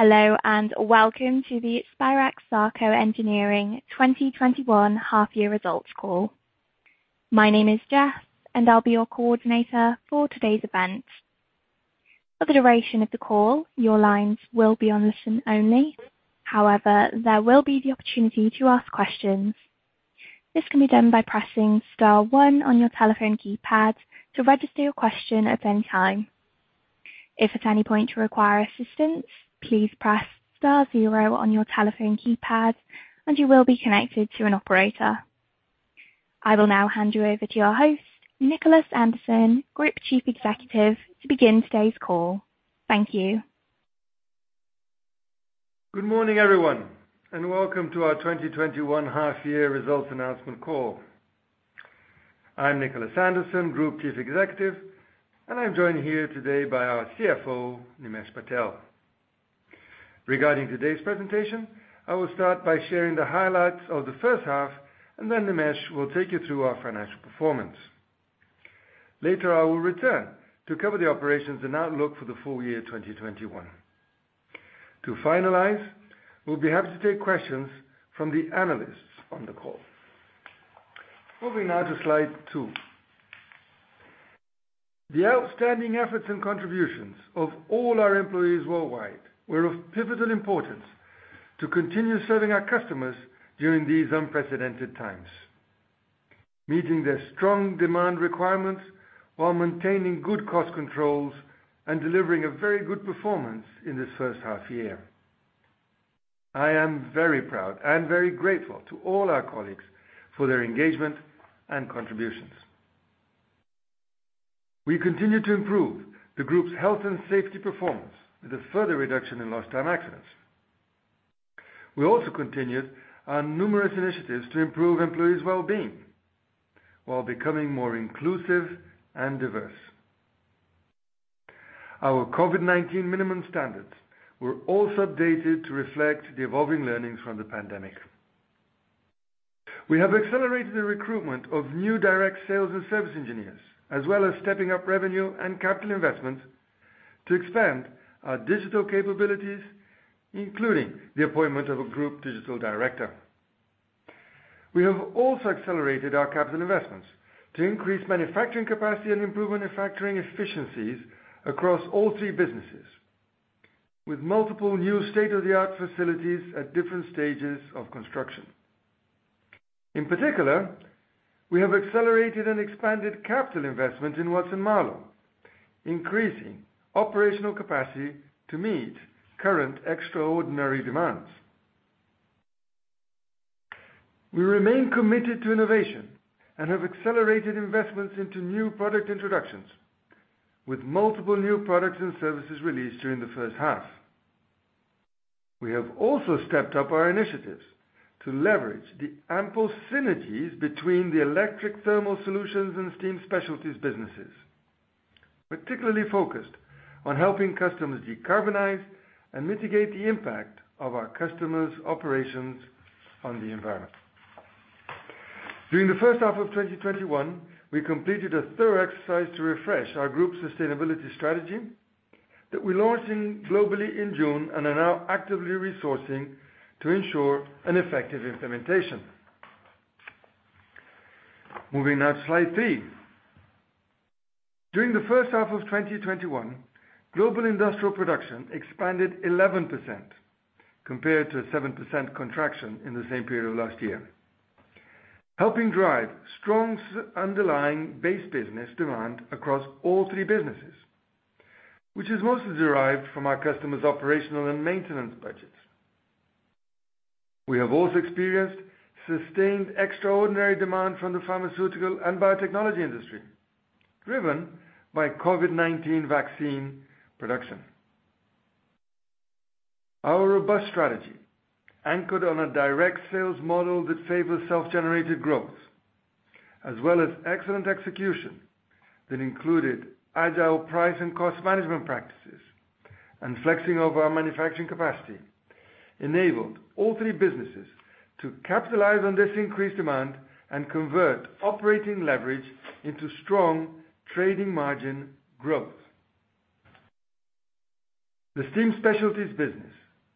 Hello, and welcome to the Spirax-Sarco Engineering 2021 half-year results call. My name is Jess, and I'll be your coordinator for today's event. For the duration of the call, your lines will be on listen only; however, there will be the opportunity to ask questions. This can be done by pressing star one on your telephone keypad to register your question at any time. If at any point you require assistance, please press star zero on your telephone keypad, and you will be connected to an operator. I will now hand you over to our host, Nicholas Anderson, Group Chief Executive, to begin today's call. Thank you. Good morning, everyone, and welcome to our 2021 half-year results announcement call. I'm Nicholas Anderson, Group Chief Executive, and I'm joined here today by our CFO, Nimesh Patel. Regarding today's presentation, I will start by sharing the highlights of the first half, and then Nimesh will take you through our financial performance. Later, I will return to cover the operations and outlook for the full year 2021. To finalize, we'll be happy to take questions from the analysts on the call. Moving now to slide two. The outstanding efforts and contributions of all our employees worldwide were of pivotal importance to continue serving our customers during these unprecedented times, meeting their strong demand requirements while maintaining good cost controls and delivering a very good performance in this first half year. I am very proud and very grateful to all our colleagues for their engagement and contributions. We continue to improve the group's health and safety performance with a further reduction in lost-time accidents. We also continued our numerous initiatives to improve employees' well-being while becoming more inclusive and diverse. Our COVID-19 minimum standards were also updated to reflect the evolving learnings from the pandemic. We have accelerated the recruitment of new direct sales and service engineers, as well as stepping up revenue and capital investments to expand our digital capabilities, including the appointment of a Group Digital Director. We have also accelerated our capital investments to increase manufacturing capacity and improve manufacturing efficiencies across all three businesses, with multiple new state-of-the-art facilities at different stages of construction. In particular, we have accelerated and expanded capital investment in Watson-Marlow, increasing operational capacity to meet current extraordinary demands. We remain committed to innovation and have accelerated investments into new product introductions, with multiple new products and services released during the first half. We have also stepped up our initiatives to leverage the ample synergies between the Electric Thermal Solutions and Steam Specialties businesses, particularly focused on helping customers decarbonize and mitigate the impact of our customers' operations on the environment. During the first half of 2021, we completed a third exercise to refresh our group's sustainability strategy that we launched globally in June and are now actively resourcing to ensure an effective implementation. Moving now to slide three. During the first half of 2021, global industrial production expanded 11% compared to a 7% contraction in the same period of last year, helping drive strong underlying base business demand across all three businesses, which is mostly derived from our customers' operational and maintenance budgets. We have also experienced sustained extraordinary demand from the pharmaceutical and biotechnology industry, driven by COVID-19 vaccine production. Our robust strategy, anchored on a direct sales model that favors self-generated growth, as well as excellent execution that included agile price and cost management practices and flexing over our manufacturing capacity, enabled all three businesses to capitalize on this increased demand and convert operating leverage into strong trading margin growth. The Steam Specialties business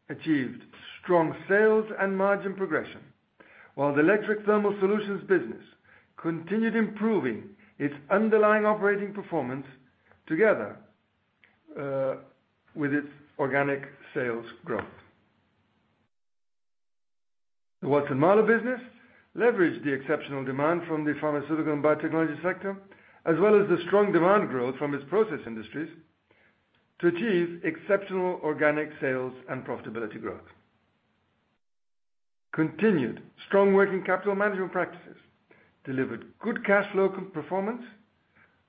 achieved strong sales and margin progression, while the Electric Thermal Solutions business continued improving its underlying operating performance together with its organic sales growth. The Watson-Marlow business leveraged the exceptional demand from the pharmaceutical and biotechnology sector, as well as the strong demand growth from its process industries, to achieve exceptional organic sales and profitability growth. Continued strong working capital management practices delivered good cash flow performance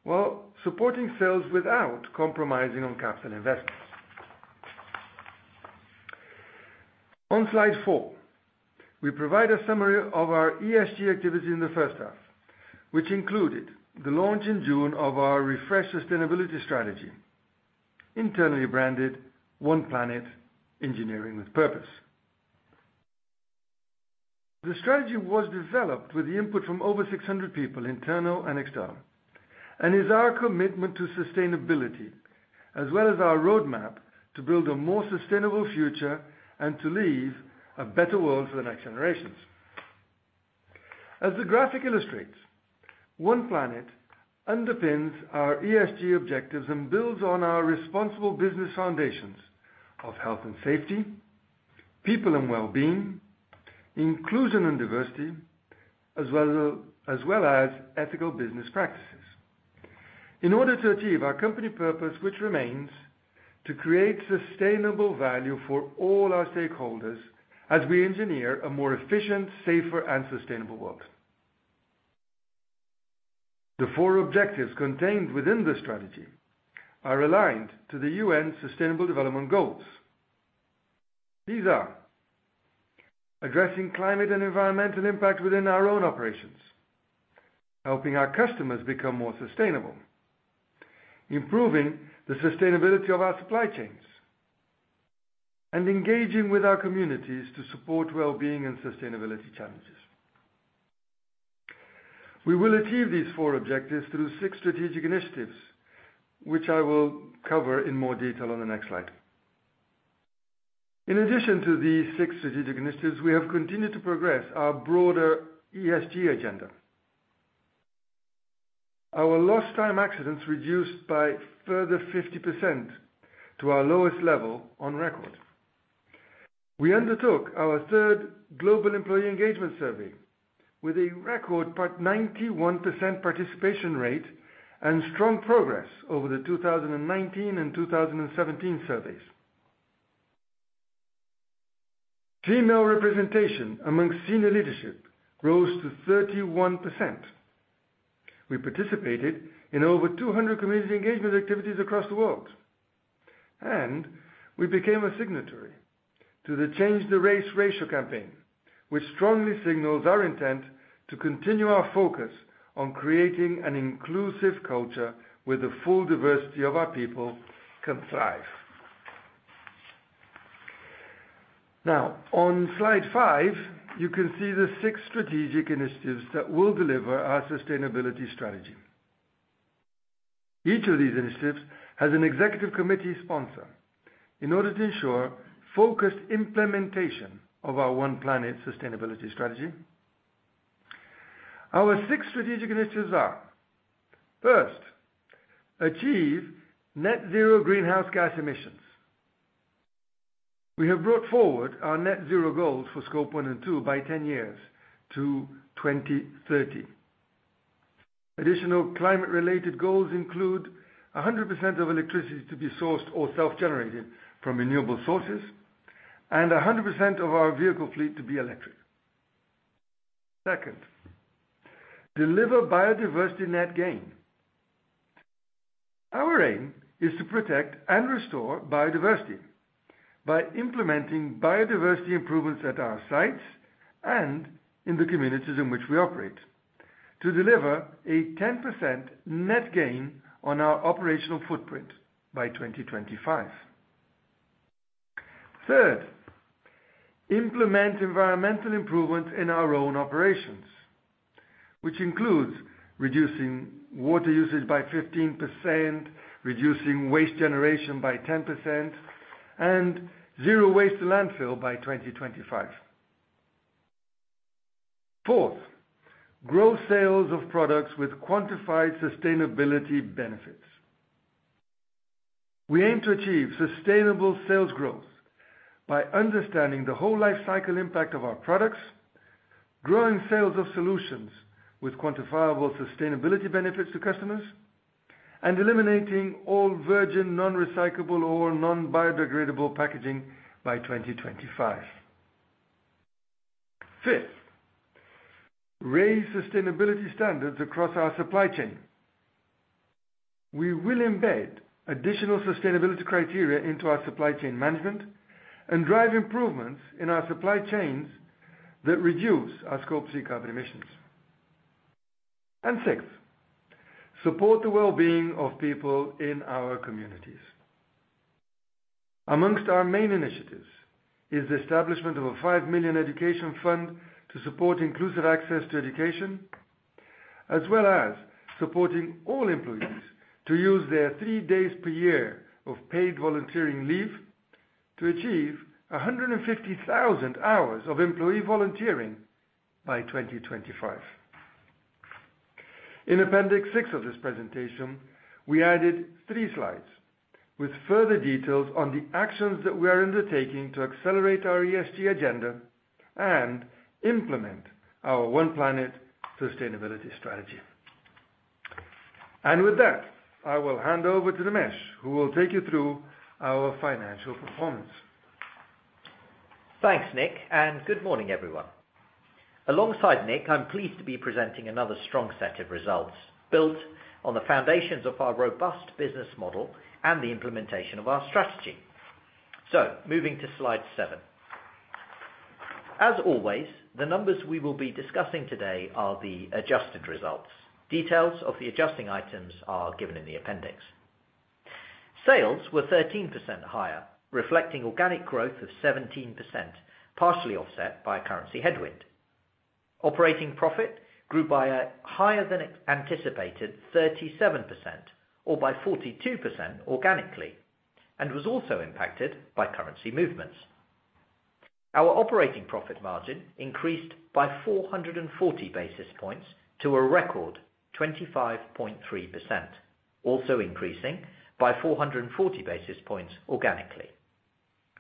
while supporting sales without compromising on capital investments. On slide four, we provide a summary of our ESG activities in the first half, which included the launch in June of our refreshed sustainability strategy, internally branded One Planet: Engineering with Purpose. The strategy was developed with the input from over 600 people, internal and external, and is our commitment to sustainability, as well as our roadmap to build a more sustainable future and to leave a better world for the next generations. As the graphic illustrates, One Planet underpins our ESG objectives and builds on our responsible business foundations of health and safety, people and well-being, inclusion and diversity, as well as ethical business practices, in order to achieve our company purpose, which remains to create sustainable value for all our stakeholders as we engineer a more efficient, safer, and sustainable world. The four objectives contained within the strategy are aligned to the UN Sustainable Development Goals. These are addressing climate and environmental impact within our own operations, helping our customers become more sustainable, improving the sustainability of our supply chains, and engaging with our communities to support well-being and sustainability challenges. We will achieve these four objectives through six strategic initiatives, which I will cover in more detail on the next slide. In addition to these six strategic initiatives, we have continued to progress our broader ESG agenda. Our lost-time accidents reduced by a further 50% to our lowest level on record. We undertook our third global employee engagement survey with a record 91% participation rate and strong progress over the 2019 and 2017 surveys. Female representation among senior leadership rose to 31%. We participated in over 200 community engagement activities across the world, and we became a signatory to the Change the Race Ratio campaign, which strongly signals our intent to continue our focus on creating an inclusive culture where the full diversity of our people can thrive. Now, on slide five, you can see the six strategic initiatives that will deliver our sustainability strategy. Each of these initiatives has an executive committee sponsor in order to ensure focused implementation of our One Planet sustainability strategy. Our six strategic initiatives are, first, achieve net zero greenhouse gas emissions. We have brought forward our net zero goals for Scope 1 and 2 by 10 years to 2030. Additional climate-related goals include 100% of electricity to be sourced or self-generated from renewable sources and 100% of our vehicle fleet to be electric. Second, deliver Biodiversity Net Gain. Our aim is to protect and restore biodiversity by implementing biodiversity improvements at our sites and in the communities in which we operate to deliver a 10% net gain on our operational footprint by 2025. Third, implement environmental improvements in our own operations, which includes reducing water usage by 15%, reducing waste generation by 10%, and zero waste to landfill by 2025. Fourth, grow sales of products with quantified sustainability benefits. We aim to achieve sustainable sales growth by understanding the whole life cycle impact of our products, growing sales of solutions with quantifiable sustainability benefits to customers, and eliminating all virgin, non-recyclable, or non-biodegradable packaging by 2025. Fifth, raise sustainability standards across our supply chain. We will embed additional sustainability criteria into our supply chain management and drive improvements in our supply chains that reduce our Scope 3 carbon emissions. And sixth, support the well-being of people in our communities. Among our main initiatives is the establishment of a 5 million education fund to support inclusive access to education, as well as supporting all employees to use their three days per year of paid volunteering leave to achieve 150,000 hours of employee volunteering by 2025. In appendix six of this presentation, we added three slides with further details on the actions that we are undertaking to accelerate our ESG agenda and implement our One Planet sustainability strategy. With that, I will hand over to Nimesh, who will take you through our financial performance. Thanks, Nick, and good morning, everyone. Alongside Nick, I'm pleased to be presenting another strong set of results built on the foundations of our robust business model and the implementation of our strategy. So moving to slide seven. As always, the numbers we will be discussing today are the adjusted results. Details of the adjusting items are given in the appendix. Sales were 13% higher, reflecting organic growth of 17%, partially offset by a currency headwind. Operating profit grew by a higher than anticipated 37%, or by 42% organically, and was also impacted by currency movements. Our operating profit margin increased by 440 basis points to a record 25.3%, also increasing by 440 basis points organically.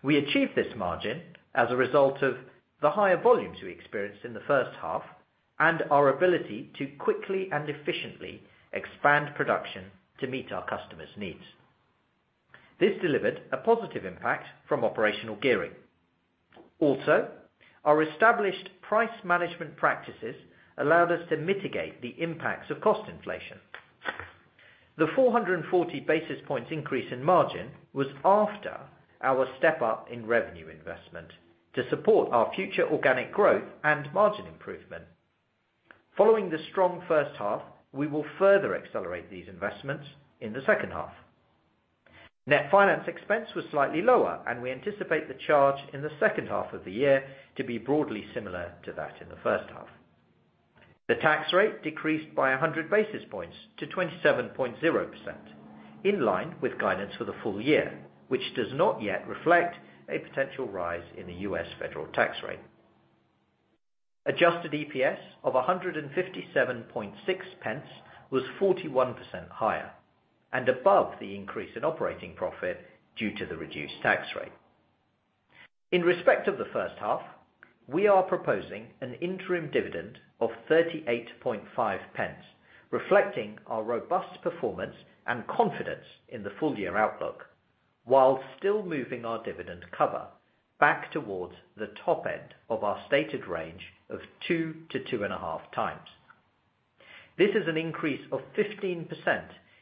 We achieved this margin as a result of the higher volumes we experienced in the first half and our ability to quickly and efficiently expand production to meet our customers' needs. This delivered a positive impact from operational gearing. Also, our established price management practices allowed us to mitigate the impacts of cost inflation. The 440 basis points increase in margin was after our step-up in revenue investment to support our future organic growth and margin improvement. Following the strong first half, we will further accelerate these investments in the second half. Net finance expense was slightly lower, and we anticipate the charge in the second half of the year to be broadly similar to that in the first half. The tax rate decreased by 100 basis points to 27.0%, in line with guidance for the full year, which does not yet reflect a potential rise in the U.S. federal tax rate. Adjusted EPS of 1.576 was 41% higher and above the increase in operating profit due to the reduced tax rate. In respect of the first half, we are proposing an interim dividend of 0.385, reflecting our robust performance and confidence in the full year outlook, while still moving our dividend cover back towards the top end of our stated range of 2x-2.5x. This is an increase of 15%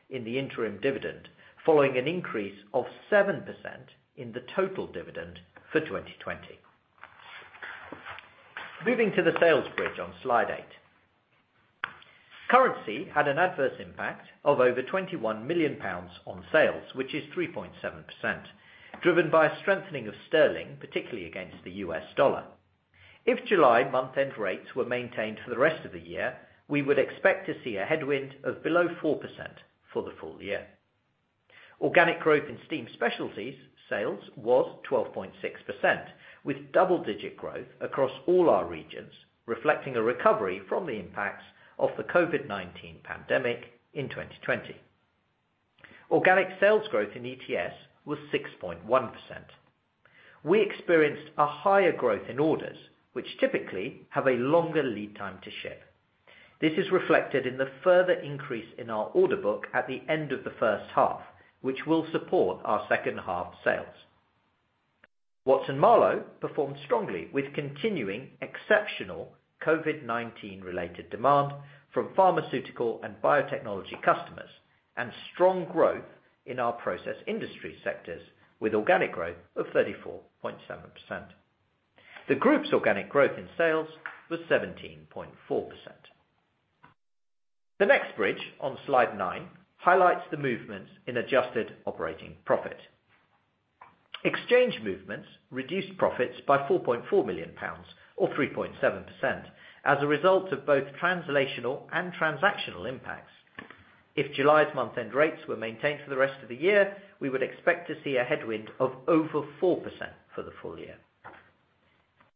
in the interim dividend, following an increase of 7% in the total dividend for 2020. Moving to the sales bridge on slide eight. Currency had an adverse impact of over 21 million pounds on sales, which is 3.7%, driven by a strengthening of sterling, particularly against the U.S. dollar. If July month-end rates were maintained for the rest of the year, we would expect to see a headwind of below 4% for the full year. Organic growth in Steam Specialties sales was 12.6%, with double-digit growth across all our regions, reflecting a recovery from the impacts of the COVID-19 pandemic in 2020. Organic sales growth in ETS was 6.1%. We experienced a higher growth in orders, which typically have a longer lead time to ship. This is reflected in the further increase in our order book at the end of the first half, which will support our second half sales. Watson-Marlow performed strongly with continuing exceptional COVID-19-related demand from pharmaceutical and biotechnology customers and strong growth in our process industry sectors, with organic growth of 34.7%. The group's organic growth in sales was 17.4%. The next bridge on slide nine highlights the movements in adjusted operating profit. Exchange movements reduced profits by 4.4 million pounds, or 3.7%, as a result of both translational and transactional impacts. If July's month-end rates were maintained for the rest of the year, we would expect to see a headwind of over 4% for the full year.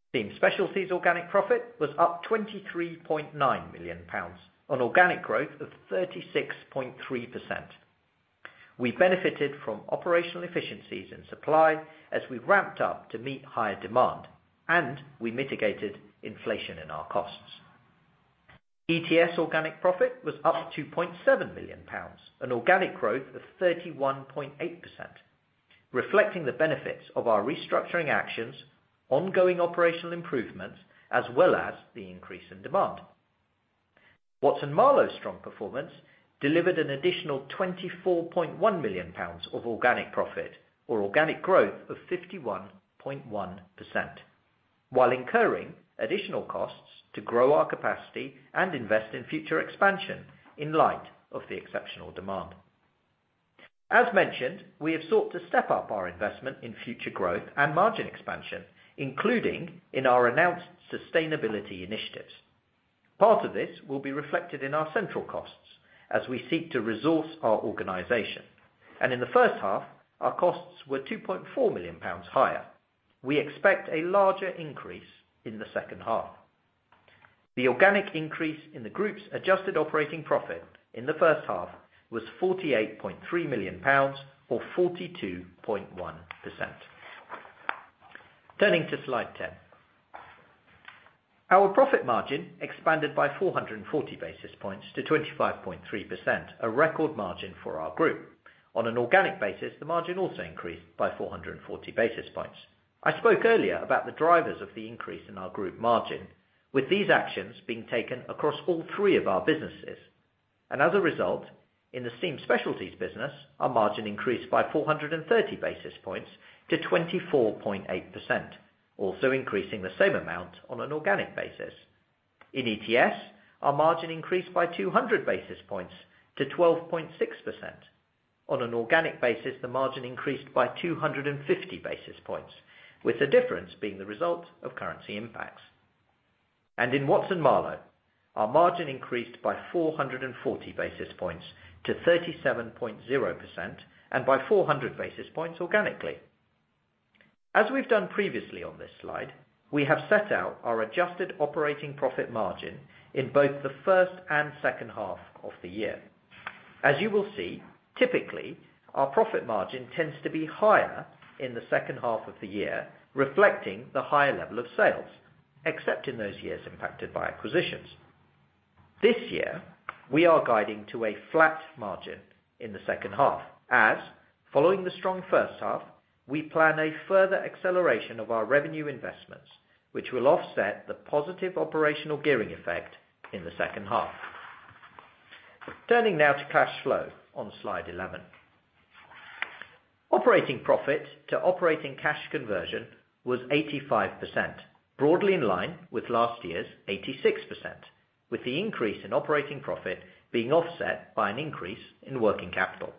Steam Specialties organic profit was up 23.9 million pounds on organic growth of 36.3%. We benefited from operational efficiencies in supply as we ramped up to meet higher demand, and we mitigated inflation in our costs. ETS organic profit was up 2.7 million pounds, an organic growth of 31.8%, reflecting the benefits of our restructuring actions, ongoing operational improvements, as well as the increase in demand. Watson-Marlow's strong performance delivered an additional 24.1 million pounds of organic profit, or organic growth of 51.1%, while incurring additional costs to grow our capacity and invest in future expansion in light of the exceptional demand. As mentioned, we have sought to step up our investment in future growth and margin expansion, including in our announced sustainability initiatives. Part of this will be reflected in our central costs as we seek to resource our organization, and in the first half, our costs were 2.4 million pounds higher. We expect a larger increase in the second half. The organic increase in the group's adjusted operating profit in the first half was 48.3 million pounds, or 42.1%. Turning to slide 10, our profit margin expanded by 440 basis points to 25.3%, a record margin for our group. On an organic basis, the margin also increased by 440 basis points. I spoke earlier about the drivers of the increase in our group margin, with these actions being taken across all three of our businesses. As a result, in the Steam Specialties business, our margin increased by 430 basis points to 24.8%, also increasing the same amount on an organic basis. In ETS, our margin increased by 200 basis points to 12.6%. On an organic basis, the margin increased by 250 basis points, with the difference being the result of currency impacts. In Watson-Marlow, our margin increased by 440 basis points to 37.0% and by 400 basis points organically. As we've done previously on this slide, we have set out our adjusted operating profit margin in both the first and second half of the year. As you will see, typically, our profit margin tends to be higher in the second half of the year, reflecting the higher level of sales, except in those years impacted by acquisitions. This year, we are guiding to a flat margin in the second half, as following the strong first half, we plan a further acceleration of our revenue investments, which will offset the positive operational gearing effect in the second half. Turning now to cash flow on slide 11. Operating profit to operating cash conversion was 85%, broadly in line with last year's 86%, with the increase in operating profit being offset by an increase in working capital.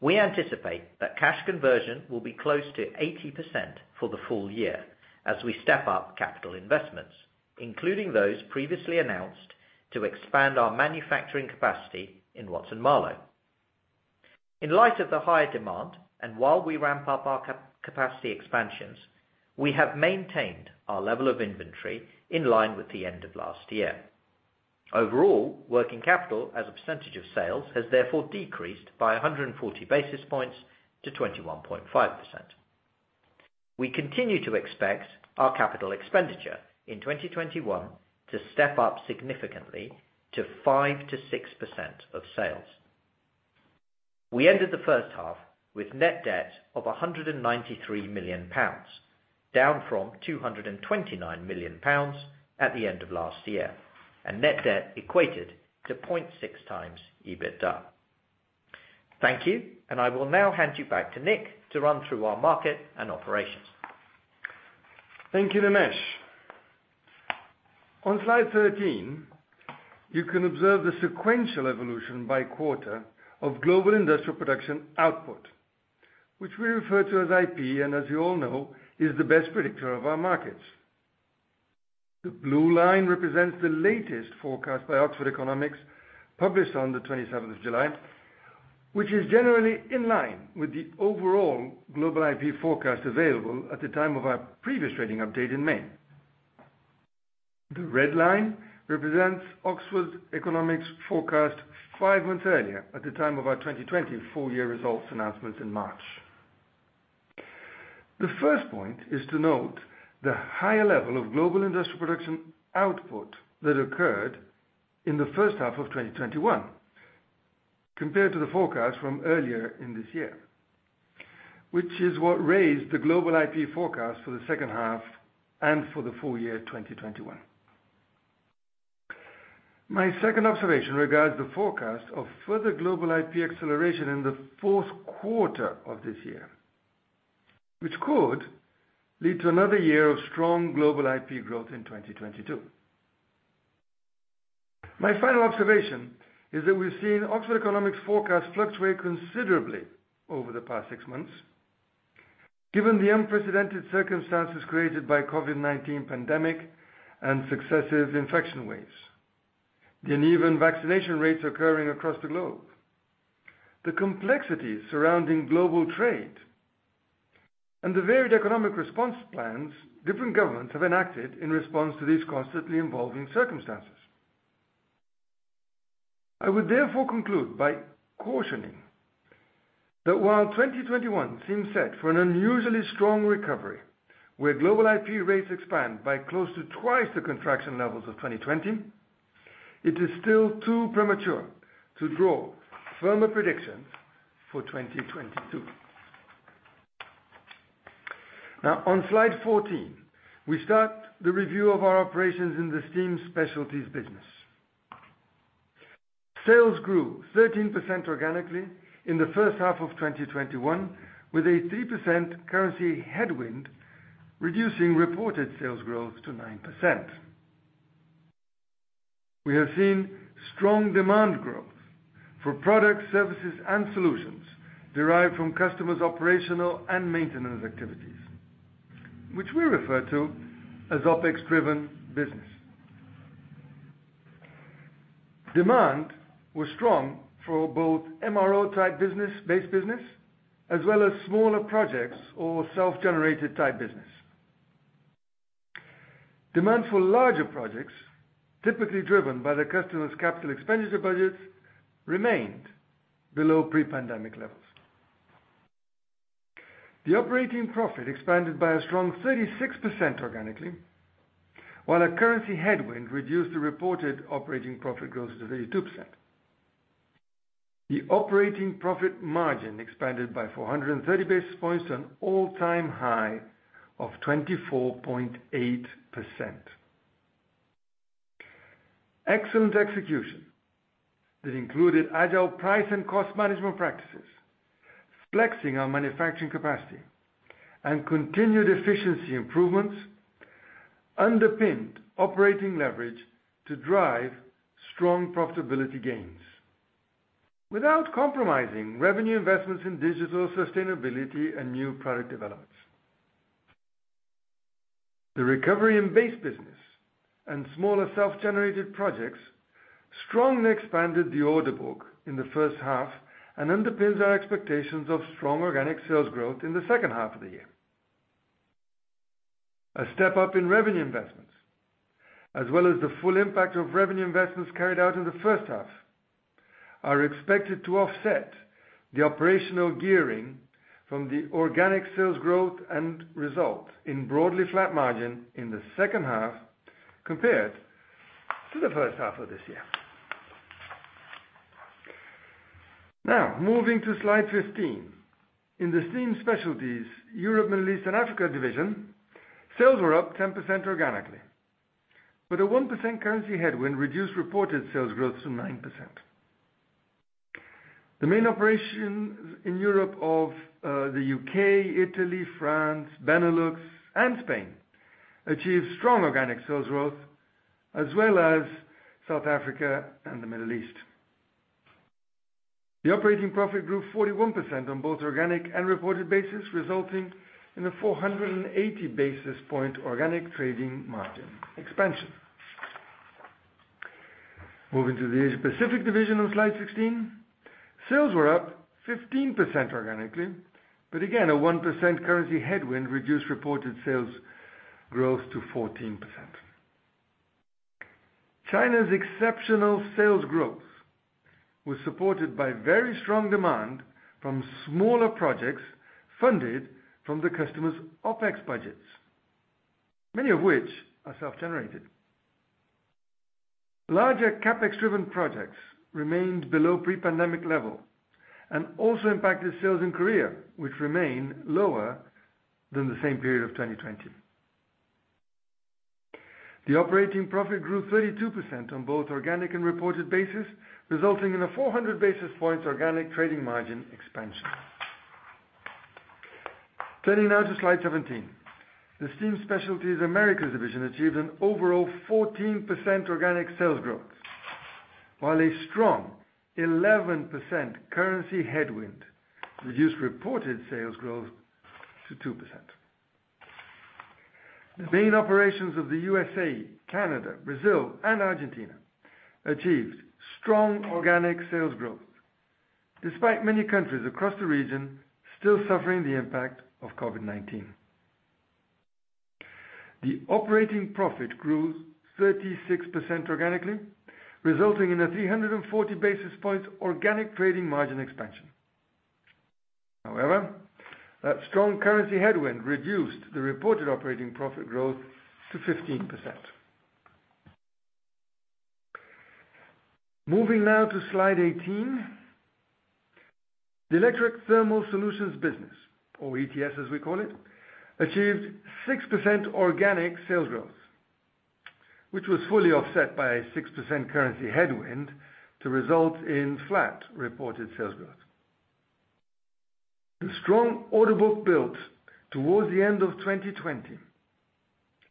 We anticipate that cash conversion will be close to 80% for the full year as we step up capital investments, including those previously announced to expand our manufacturing capacity in Watson-Marlow. In light of the higher demand, and while we ramp up our capacity expansions, we have maintained our level of inventory in line with the end of last year. Overall, working capital as a percentage of sales has therefore decreased by 140 basis points to 21.5%. We continue to expect our capital expenditure in 2021 to step up significantly to 5%-6% of sales. We ended the first half with net debt of 193 million pounds, down from 229 million pounds at the end of last year, and net debt equated to 0.6x EBITDA. Thank you, and I will now hand you back to Nick to run through our market and operations. Thank you, Nimesh. On slide 13, you can observe the sequential evolution by quarter of global industrial production output, which we refer to as IP, and as you all know, is the best predictor of our markets. The blue line represents the latest forecast by Oxford Economics published on the 27th of July, which is generally in line with the overall global IP forecast available at the time of our previous trading update in May. The red line represents Oxford Economics' forecast five months earlier at the time of our 2020 full year results announcements in March. The first point is to note the higher level of global industrial production output that occurred in the first half of 2021 compared to the forecast from earlier in this year, which is what raised the global IP forecast for the second half and for the full year 2021. My second observation regards the forecast of further global IP acceleration in the fourth quarter of this year, which could lead to another year of strong global IP growth in 2022. My final observation is that we've seen Oxford Economics' forecast fluctuate considerably over the past six months, given the unprecedented circumstances created by the COVID-19 pandemic and successive infection waves, the uneven vaccination rates occurring across the globe, the complexities surrounding global trade, and the varied economic response plans different governments have enacted in response to these constantly evolving circumstances. I would therefore conclude by cautioning that while 2021 seems set for an unusually strong recovery, where global IP rates expand by close to twice the contraction levels of 2020, it is still too premature to draw firmer predictions for 2022. Now, on slide 14, we start the review of our operations in the Steam Specialties business. Sales grew 13% organically in the first half of 2021, with a 3% currency headwind reducing reported sales growth to 9%. We have seen strong demand growth for products, services, and solutions derived from customers' operational and maintenance activities, which we refer to as OpEx-driven business. Demand was strong for both MRO-type base business as well as smaller projects or self-generated type business. Demand for larger projects, typically driven by the customers' capital expenditure budgets, remained below pre-pandemic levels. The operating profit expanded by a strong 36% organically, while a currency headwind reduced the reported operating profit growth to 32%. The operating profit margin expanded by 430 basis points to an all-time high of 24.8%. Excellent execution that included agile price and cost management practices, flexing our manufacturing capacity, and continued efficiency improvements underpinned operating leverage to drive strong profitability gains without compromising revenue investments in digital sustainability and new product developments. The recovery in base business and smaller self-generated projects strongly expanded the order book in the first half and underpins our expectations of strong organic sales growth in the second half of the year. A step up in revenue investments, as well as the full impact of revenue investments carried out in the first half, are expected to offset the operational gearing from the organic sales growth and result in broadly flat margin in the second half compared to the first half of this year. Now, moving to slide 15. In the Steam Specialties Europe, Middle East, and Africa division, sales were up 10% organically, but a 1% currency headwind reduced reported sales growth to 9%. The main operations in Europe of the U.K., Italy, France, Benelux, and Spain achieved strong organic sales growth, as well as South Africa and the Middle East. The operating profit grew 41% on both organic and reported basis, resulting in a 480 basis points organic trading margin expansion. Moving to the Asia-Pacific division on slide 16, sales were up 15% organically, but again, a 1% currency headwind reduced reported sales growth to 14%. China's exceptional sales growth was supported by very strong demand from smaller projects funded from the customers' OpEx budgets, many of which are self-generated. Larger CapEx-driven projects remained below pre-pandemic level and also impacted sales in Korea, which remain lower than the same period of 2020. The operating profit grew 32% on both organic and reported basis, resulting in a 400 basis points organic trading margin expansion. Turning now to slide 17, the Steam Specialties Americas division achieved an overall 14% organic sales growth, while a strong 11% currency headwind reduced reported sales growth to 2%. The main operations of the USA, Canada, Brazil, and Argentina achieved strong organic sales growth, despite many countries across the region still suffering the impact of COVID-19. The operating profit grew 36% organically, resulting in a 340 basis points organic trading margin expansion. However, that strong currency headwind reduced the reported operating profit growth to 15%. Moving now to slide 18, the Electric Thermal Solutions business, or ETS as we call it, achieved 6% organic sales growth, which was fully offset by a 6% currency headwind to result in flat reported sales growth. The strong order book built towards the end of 2020,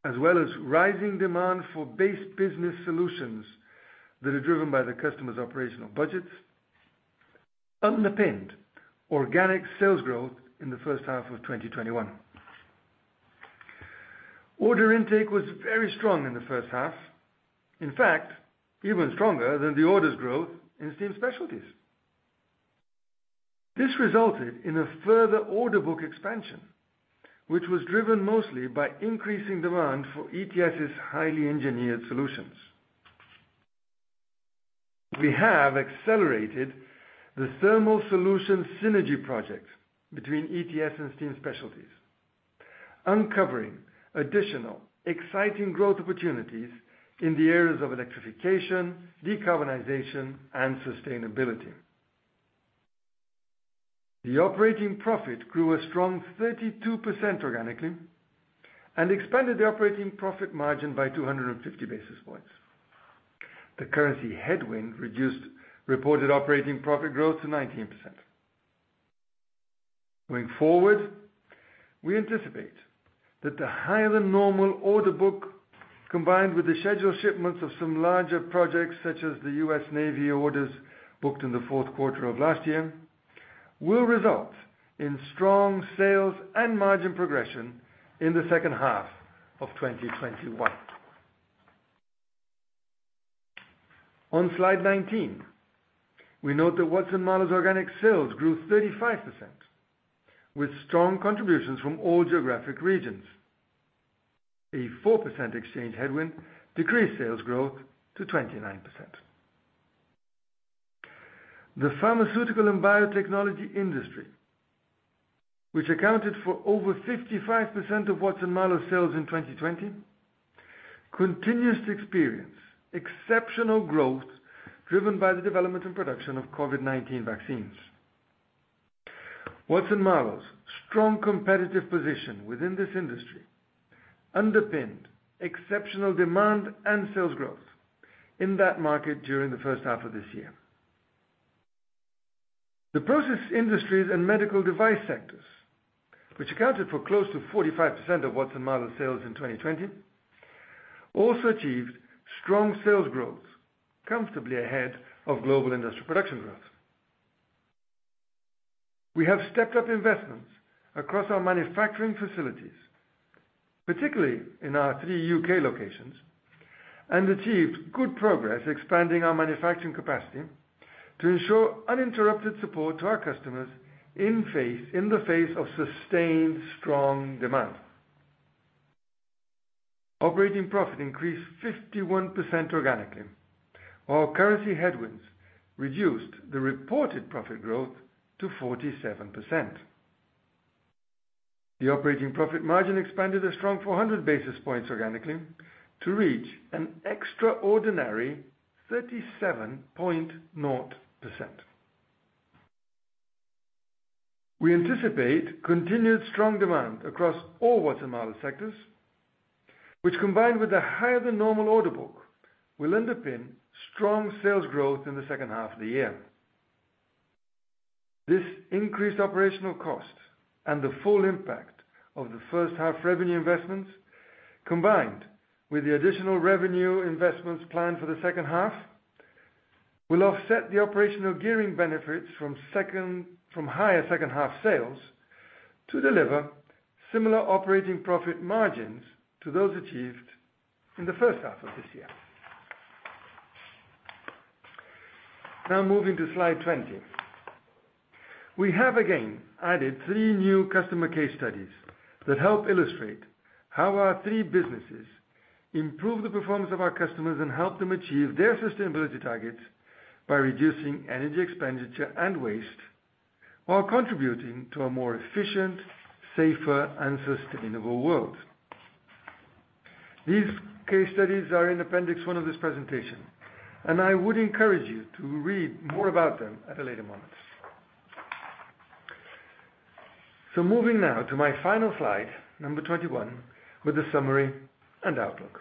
as well as rising demand for base business solutions that are driven by the customers' operational budgets, underpinned organic sales growth in the first half of 2021. Order intake was very strong in the first half, in fact, even stronger than the orders growth in Steam Specialties. This resulted in a further order book expansion, which was driven mostly by increasing demand for ETS's highly engineered solutions. We have accelerated the thermal solution synergy project between ETS and Steam Specialties, uncovering additional exciting growth opportunities in the areas of electrification, decarbonization, and sustainability. The operating profit grew a strong 32% organically and expanded the operating profit margin by 250 basis points. The currency headwind reduced reported operating profit growth to 19%. Going forward, we anticipate that the higher than normal order book combined with the scheduled shipments of some larger projects, such as the U.S. Navy orders booked in the fourth quarter of last year, will result in strong sales and margin progression in the second half of 2021. On slide 19, we note that Watson-Marlow's organic sales grew 35% with strong contributions from all geographic regions. A 4% exchange headwind decreased sales growth to 29%. The pharmaceutical and biotechnology industry, which accounted for over 55% of Watson-Marlow's sales in 2020, continues to experience exceptional growth driven by the development and production of COVID-19 vaccines. Watson-Marlow's strong competitive position within this industry underpinned exceptional demand and sales growth in that market during the first half of this year. The process industries and medical device sectors, which accounted for close to 45% of Watson-Marlow's sales in 2020, also achieved strong sales growth, comfortably ahead of global industrial production growth. We have stepped up investments across our manufacturing facilities, particularly in our three U.K. locations, and achieved good progress expanding our manufacturing capacity to ensure uninterrupted support to our customers in the face of sustained strong demand. Operating profit increased 51% organically. Our currency headwinds reduced the reported profit growth to 47%. The operating profit margin expanded a strong 400 basis points organically to reach an extraordinary 37.0%. We anticipate continued strong demand across all Watson-Marlow sectors, which, combined with a higher than normal order book, will underpin strong sales growth in the second half of the year. This increased operational cost and the full impact of the first half revenue investments, combined with the additional revenue investments planned for the second half, will offset the operational gearing benefits from higher second half sales to deliver similar operating profit margins to those achieved in the first half of this year. Now, moving to slide 20, we have again added three new customer case studies that help illustrate how our three businesses improve the performance of our customers and help them achieve their sustainability targets by reducing energy expenditure and waste while contributing to a more efficient, safer, and sustainable world. These case studies are in Appendix 1 of this presentation, and I would encourage you to read more about them at a later moment. So, moving now to my final slide, number 21, with the summary and outlook.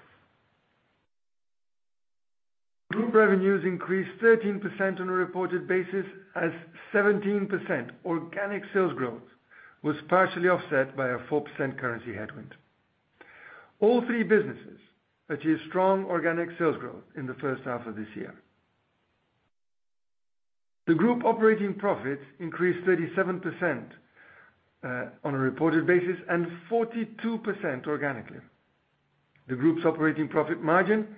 Group revenues increased 13% on a reported basis, as 17% organic sales growth was partially offset by a 4% currency headwind. All three businesses achieved strong organic sales growth in the first half of this year. The group operating profits increased 37% on a reported basis and 42% organically. The group's operating profit margin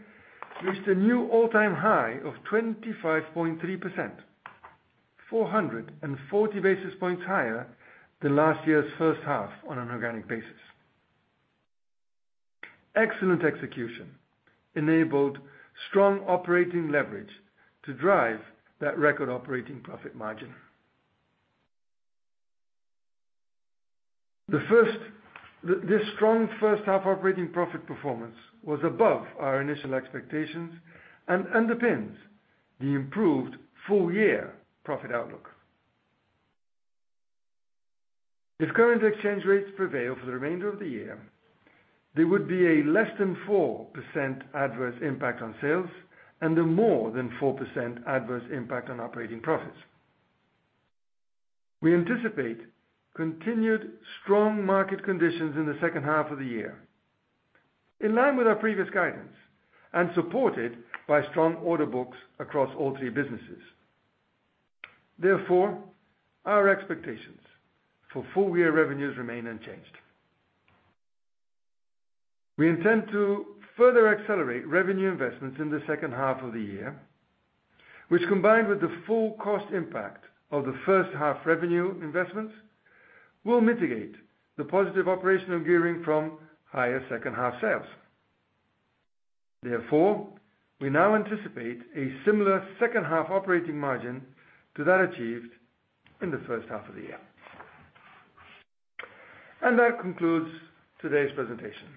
reached a new all-time high of 25.3%, 440 basis points higher than last year's first half on an organic basis. Excellent execution enabled strong operating leverage to drive that record operating profit margin. This strong first half operating profit performance was above our initial expectations and underpins the improved full-year profit outlook. If current exchange rates prevail for the remainder of the year, there would be a less than 4% adverse impact on sales and a more than 4% adverse impact on operating profits. We anticipate continued strong market conditions in the second half of the year, in line with our previous guidance and supported by strong order books across all three businesses. Therefore, our expectations for full-year revenues remain unchanged. We intend to further accelerate revenue investments in the second half of the year, which, combined with the full cost impact of the first half revenue investments, will mitigate the positive operational gearing from higher second half sales. Therefore, we now anticipate a similar second half operating margin to that achieved in the first half of the year. That concludes today's presentation.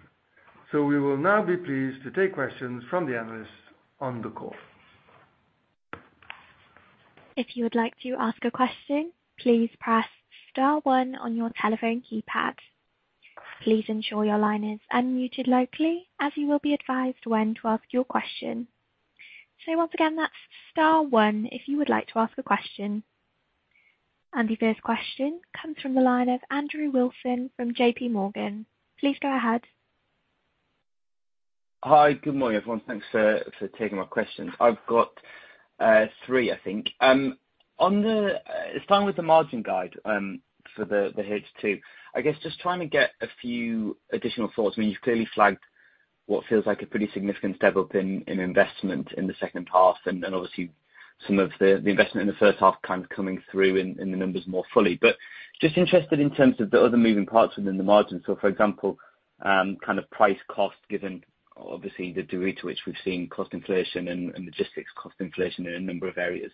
We will now be pleased to take questions from the analysts on the call. If you would like to ask a question, please press star one on your telephone keypad. Please ensure your line is unmuted locally, as you will be advised when to ask your question. So, once again, that's star one if you would like to ask a question. And the first question comes from the line of Andrew Wilson from JPMorgan. Please go ahead. Hi, good morning, everyone. Thanks for taking my questions. I've got three, I think. It's starting with the margin guide for the H2. I guess just trying to get a few additional thoughts. I mean, you've clearly flagged what feels like a pretty significant step up in investment in the second half, and obviously, some of the investment in the first half kind of coming through in the numbers more fully. But just interested in terms of the other moving parts within the margin. So, for example, kind of price cost, given obviously the degree to which we've seen cost inflation and logistics cost inflation in a number of areas.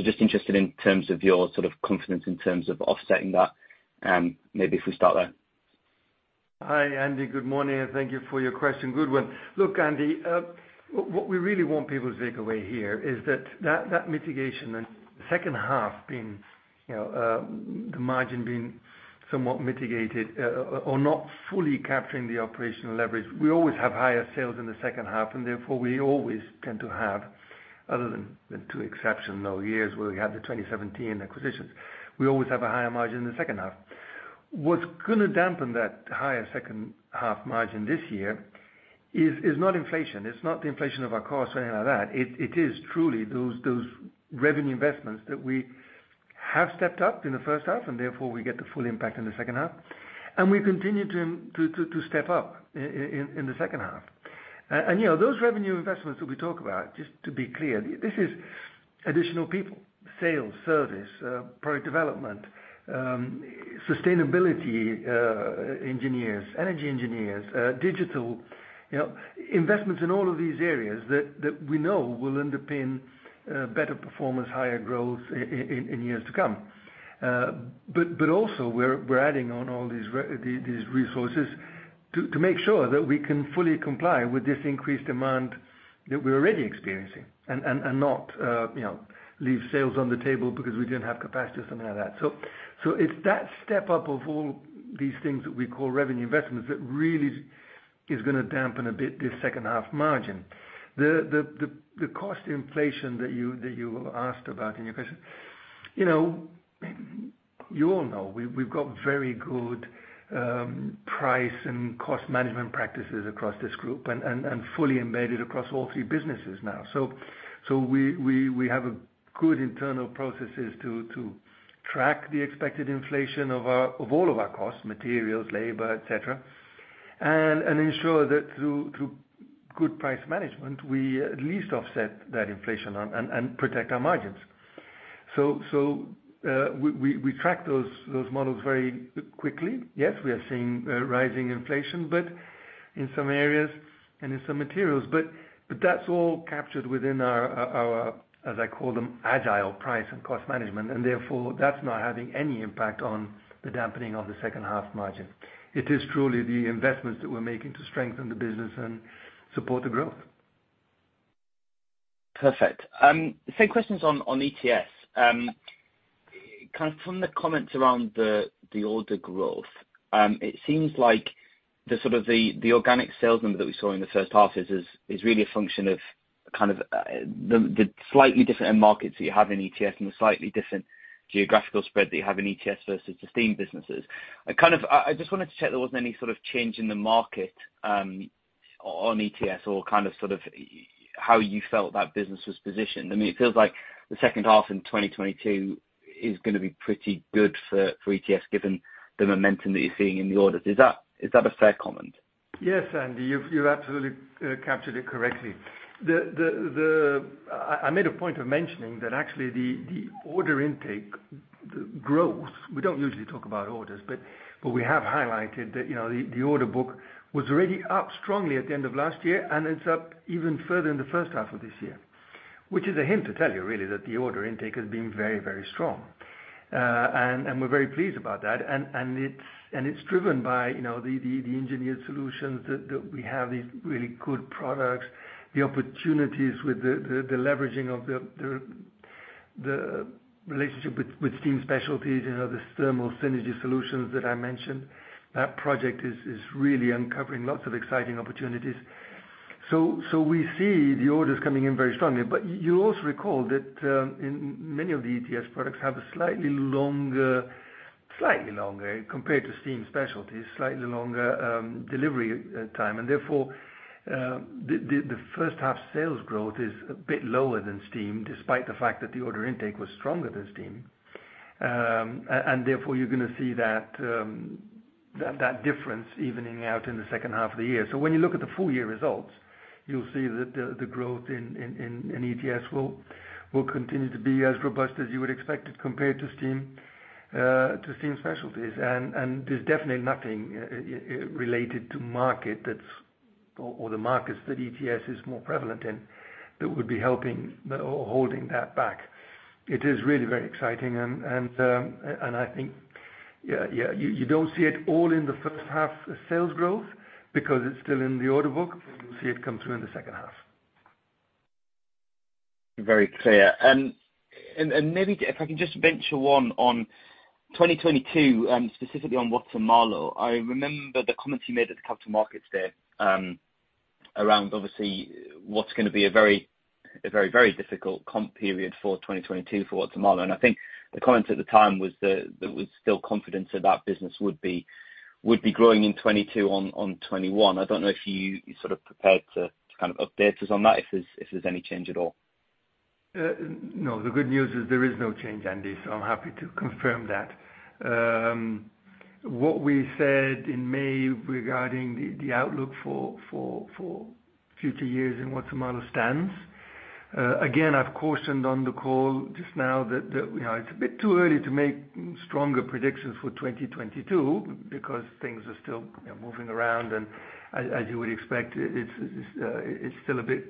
Just interested in terms of your sort of confidence in terms of offsetting that, maybe if we start there? Hi, Andy. Good morning, and thank you for your question. Good one. Look, Andy, what we really want people to take away here is that that mitigation and the second half being the margin being somewhat mitigated or not fully capturing the operational leverage. We always have higher sales in the second half, and therefore, we always tend to have, other than two exceptional years where we had the 2017 acquisitions, we always have a higher margin in the second half. What's going to dampen that higher second half margin this year is not inflation. It's not the inflation of our costs or anything like that. It is truly those revenue investments that we have stepped up in the first half, and therefore, we get the full impact in the second half, and we continue to step up in the second half, and those revenue investments that we talk about, just to be clear, this is additional people: sales, service, product development, sustainability engineers, energy engineers, digital investments in all of these areas that we know will underpin better performance, higher growth in years to come, but also, we're adding on all these resources to make sure that we can fully comply with this increased demand that we're already experiencing and not leave sales on the table because we didn't have capacity or something like that, so it's that step up of all these things that we call revenue investments that really is going to dampen a bit this second half margin. The cost inflation that you asked about in your question, you all know we've got very good price and cost management practices across this group and fully embedded across all three businesses now. So, we have good internal processes to track the expected inflation of all of our costs, materials, labor, etc., and ensure that through good price management, we at least offset that inflation and protect our margins. So, we track those models very quickly. Yes, we are seeing rising inflation in some areas and in some materials, but that's all captured within our, as I call them, agile price and cost management, and therefore, that's not having any impact on the dampening of the second half margin. It is truly the investments that we're making to strengthen the business and support the growth. Perfect. Same questions on ETS. Kind of from the comments around the order growth, it seems like sort of the organic sales number that we saw in the first half is really a function of kind of the slightly different markets that you have in ETS and the slightly different geographical spread that you have in ETS versus the steam businesses. I just wanted to check there wasn't any sort of change in the market on ETS or kind of sort of how you felt that business was positioned. I mean, it feels like the second half in 2022 is going to be pretty good for ETS given the momentum that you're seeing in the orders. Is that a fair comment? Yes, Andy. You've absolutely captured it correctly. I made a point of mentioning that actually the order intake growth, we don't usually talk about orders, but we have highlighted that the order book was already up strongly at the end of last year and it's up even further in the first half of this year, which is a hint to tell you really that the order intake has been very, very strong. And we're very pleased about that. And it's driven by the engineered solutions that we have, these really good products, the opportunities with the leveraging of the relationship with Steam Specialties, this thermal synergy solutions that I mentioned. That project is really uncovering lots of exciting opportunities. So, we see the orders coming in very strongly. But you'll also recall that many of the ETS products have a slightly longer compared to Steam Specialties, slightly longer delivery time. And therefore, the first half sales growth is a bit lower than steam despite the fact that the order intake was stronger than steam. And therefore, you're going to see that difference evening out in the second half of the year. So, when you look at the full-year results, you'll see that the growth in ETS will continue to be as robust as you would expect it compared to Steam Specialties. And there's definitely nothing related to market that's or the markets that ETS is more prevalent in that would be helping or holding that back. It is really very exciting. And I think you don't see it all in the first half sales growth because it's still in the order book, but you'll see it come through in the second half. Very clear. Maybe if I can just venture one on 2022, specifically on Watson-Marlow, I remember the comments you made at the capital markets there around obviously what's going to be a very, very, very difficult comp period for 2022 for Watson-Marlow. I think the comments at the time was that there was still confidence that that business would be growing in 2022 on 2021. I don't know if you sort of prepared to kind of update us on that if there's any change at all. No, the good news is there is no change, Andy, so I'm happy to confirm that. What we said in May regarding the outlook for future years in Watson-Marlow stands. Again, I've cautioned on the call just now that it's a bit too early to make stronger predictions for 2022 because things are still moving around. And as you would expect, it's still a bit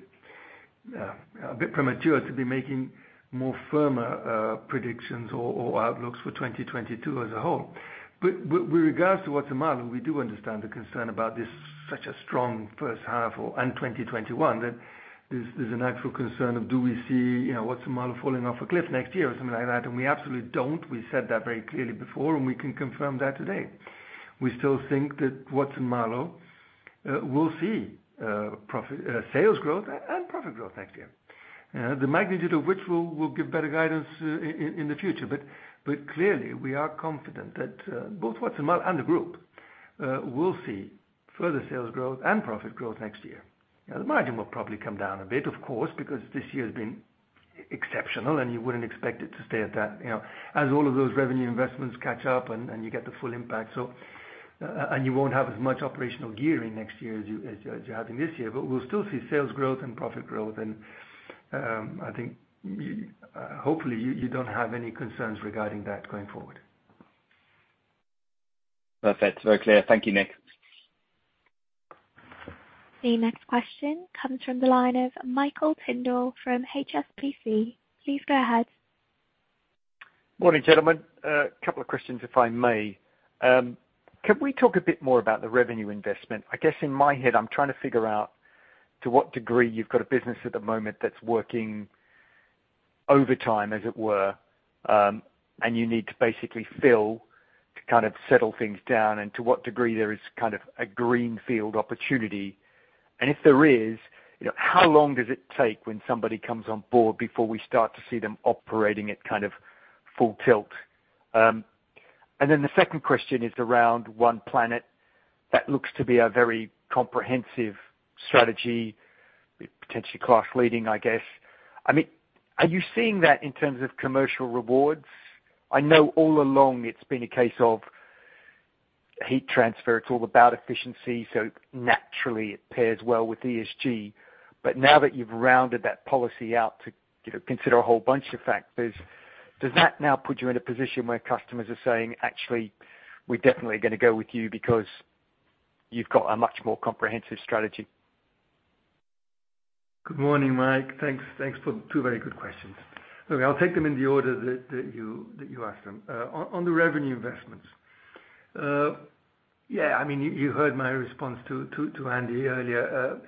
premature to be making more firmer predictions or outlooks for 2022 as a whole. But with regards to Watson-Marlow, we do understand the concern about this such a strong first half and 2021 that there's an actual concern of do we see Watson-Marlow falling off a cliff next year or something like that. And we absolutely don't. We said that very clearly before, and we can confirm that today. We still think that Watson-Marlow will see sales growth and profit growth next year, the magnitude of which will give better guidance in the future. But clearly, we are confident that both Watson-Marlow and the group will see further sales growth and profit growth next year. The margin will probably come down a bit, of course, because this year has been exceptional, and you wouldn't expect it to stay at that as all of those revenue investments catch up and you get the full impact, and you won't have as much operational gearing next year as you're having this year, but we'll still see sales growth and profit growth, and I think hopefully you don't have any concerns regarding that going forward. Perfect. Very clear. Thank you, Nick. The next question comes from the line of Michael Tyndall from HSBC. Please go ahead. Morning, gentlemen. A couple of questions, if I may. Can we talk a bit more about the revenue investment? I guess in my head, I'm trying to figure out to what degree you've got a business at the moment that's working overtime, as it were, and you need to basically fill to kind of settle things down, and to what degree there is kind of a greenfield opportunity, and if there is, how long does it take when somebody comes on board before we start to see them operating at kind of full tilt? And then the second question is around one planet that looks to be a very comprehensive strategy, potentially class-leading, I guess. I mean, are you seeing that in terms of commercial rewards? I know all along it's been a case of heat transfer. It's all about efficiency, so naturally, it pairs well with ESG. But now that you've rounded that policy out to consider a whole bunch of factors, does that now put you in a position where customers are saying, "Actually, we're definitely going to go with you because you've got a much more comprehensive strategy"? Good morning, Mike. Thanks for two very good questions. I'll take them in the order that you asked them. On the revenue investments, yeah, I mean, you heard my response to Andy earlier.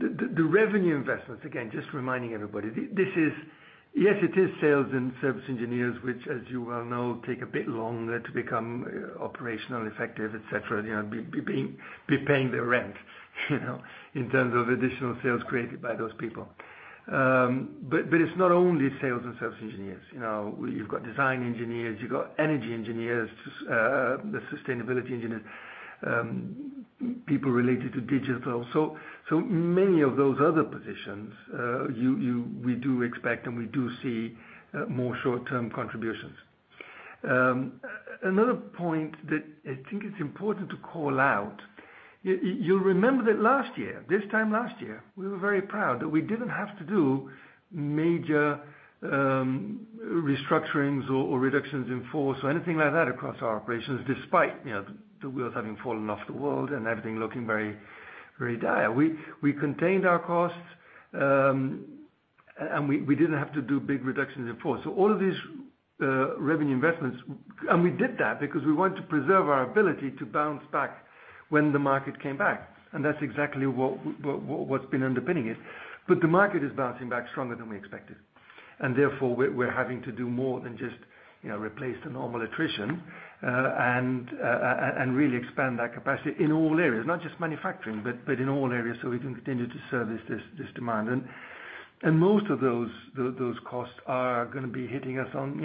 The revenue investments, again, just reminding everybody, yes, it is sales and service engineers, which, as you well know, take a bit longer to become operationally effective, etc., be paying their rent in terms of additional sales created by those people. But it's not only sales and service engineers. You've got design engineers. You've got energy engineers, the sustainability engineers, people related to digital. Many of those other positions, we do expect and we do see more short-term contributions. Another point that I think it's important to call out, you'll remember that last year, this time last year, we were very proud that we didn't have to do major restructurings or reductions in force or anything like that across our operations despite the wheels having fallen off the world and everything looking very dire. We contained our costs, and we didn't have to do big reductions in force. So all of these revenue investments, and we did that because we wanted to preserve our ability to bounce back when the market came back. And that's exactly what's been underpinning it. But the market is bouncing back stronger than we expected. And therefore, we're having to do more than just replace the normal attrition and really expand that capacity in all areas, not just manufacturing, but in all areas so we can continue to service this demand. And most of those costs are going to be hitting us on the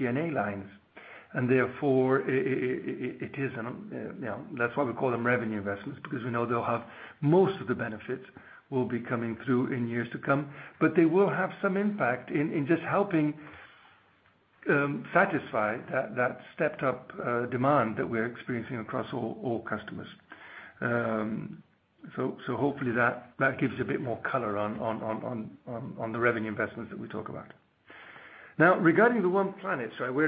SG&A lines. And therefore, it isn't. That's why we call them revenue investments because we know they'll have most of the benefits will be coming through in years to come. But they will have some impact in just helping satisfy that stepped-up demand that we're experiencing across all customers. So hopefully, that gives you a bit more color on the revenue investments that we talk about. Now, regarding the One Planet, we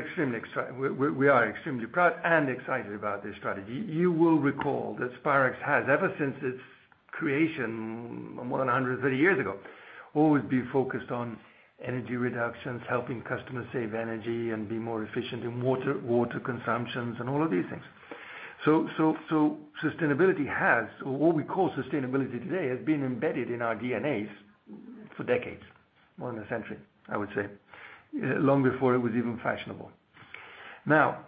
are extremely proud and excited about this strategy. You will recall that Spirax has, ever since its creation more than 130 years ago, always been focused on energy reductions, helping customers save energy and be more efficient in water consumptions and all of these things. So sustainability has, or what we call sustainability today, has been embedded in our DNA for decades, more than a century, I would say, long before it was even fashionable. Now,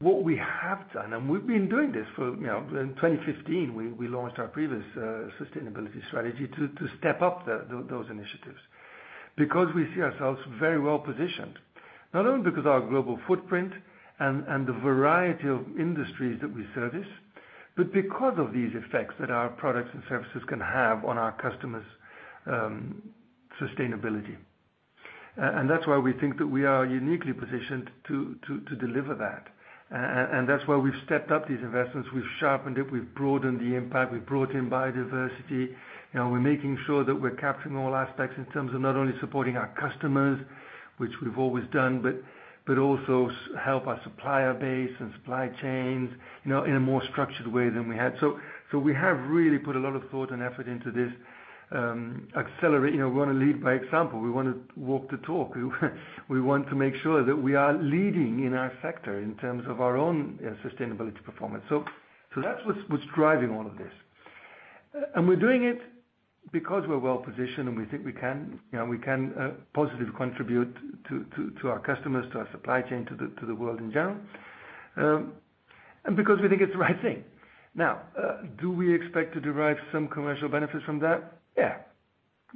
what we have done, and we've been doing this for 2015, we launched our previous sustainability strategy to step up those initiatives because we see ourselves very well positioned, not only because of our global footprint and the variety of industries that we service, but because of these effects that our products and services can have on our customers' sustainability. And that's why we think that we are uniquely positioned to deliver that. And that's why we've stepped up these investments. We've sharpened it. We've broadened the impact. We've brought in biodiversity. We're making sure that we're capturing all aspects in terms of not only supporting our customers, which we've always done, but also help our supplier base and supply chains in a more structured way than we had. So we have really put a lot of thought and effort into this. We want to lead by example. We want to walk the talk. We want to make sure that we are leading in our sector in terms of our own sustainability performance. So that's what's driving all of this. And we're doing it because we're well positioned and we think we can positively contribute to our customers, to our supply chain, to the world in general, and because we think it's the right thing. Now, do we expect to derive some commercial benefits from that? Yeah.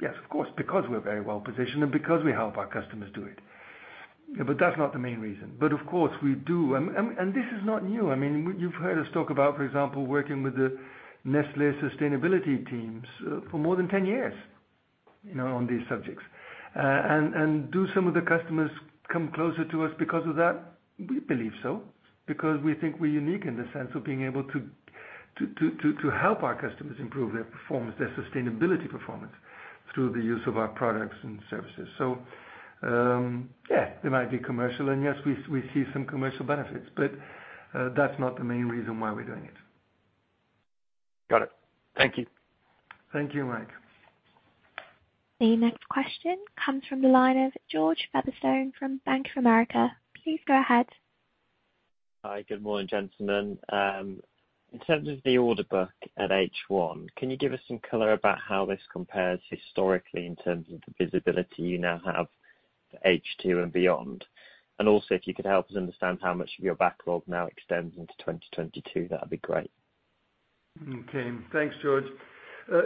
Yes, of course, because we're very well positioned and because we help our customers do it. But that's not the main reason. But of course, we do. And this is not new. I mean, you've heard us talk about, for example, working with the Nestlé sustainability teams for more than 10 years on these subjects. And do some of the customers come closer to us because of that? We believe so because we think we're unique in the sense of being able to help our customers improve their performance, their sustainability performance through the use of our products and services. So yeah, there might be commercial, and yes, we see some commercial benefits, but that's not the main reason why we're doing it. Got it. Thank you. Thank you, Mike. The next question comes from the line of George Featherstone from Bank of America. Please go ahead. Hi. Good morning, gentlemen. In terms of the order book at H1, can you give us some color about how this compares historically in terms of the visibility you now have for H2 and beyond? And also, if you could help us understand how much of your backlog now extends into 2022, that would be great? Okay. Thanks, George.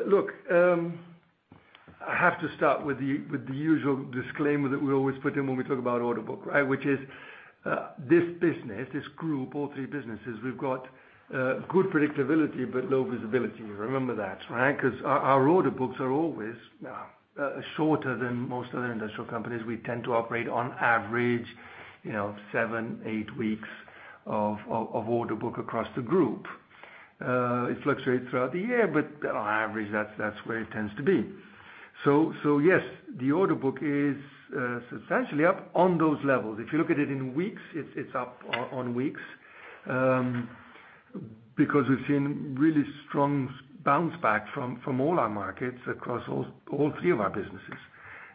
Look, I have to start with the usual disclaimer that we always put in when we talk about order book, right, which is this business, this group, all three businesses, we've got good predictability but low visibility. Remember that, right? Because our order books are always shorter than most other industrial companies. We tend to operate on average seven, eight weeks of order book across the group. It fluctuates throughout the year, but on average, that's where it tends to be. So yes, the order book is substantially up on those levels. If you look at it in weeks, it's up on weeks because we've seen really strong bounce back from all our markets across all three of our businesses.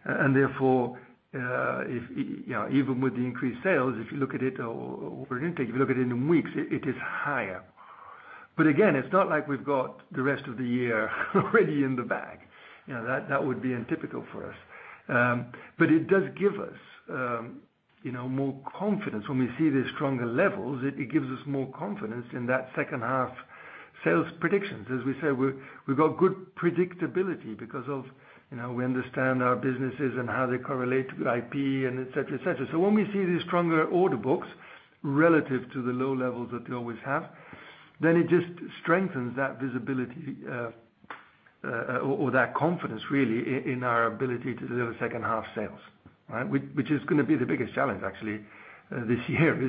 And therefore, even with the increased sales, if you look at it over an intake, if you look at it in weeks, it is higher. But again, it's not like we've got the rest of the year already in the bag. That would be untypical for us. But it does give us more confidence. When we see the stronger levels, it gives us more confidence in that second-half sales predictions. As we say, we've got good predictability because we understand our businesses and how they correlate with IP and etc., etc. So when we see these stronger order books relative to the low levels that they always have, then it just strengthens that visibility or that confidence, really, in our ability to deliver second-half sales, which is going to be the biggest challenge, actually, this year,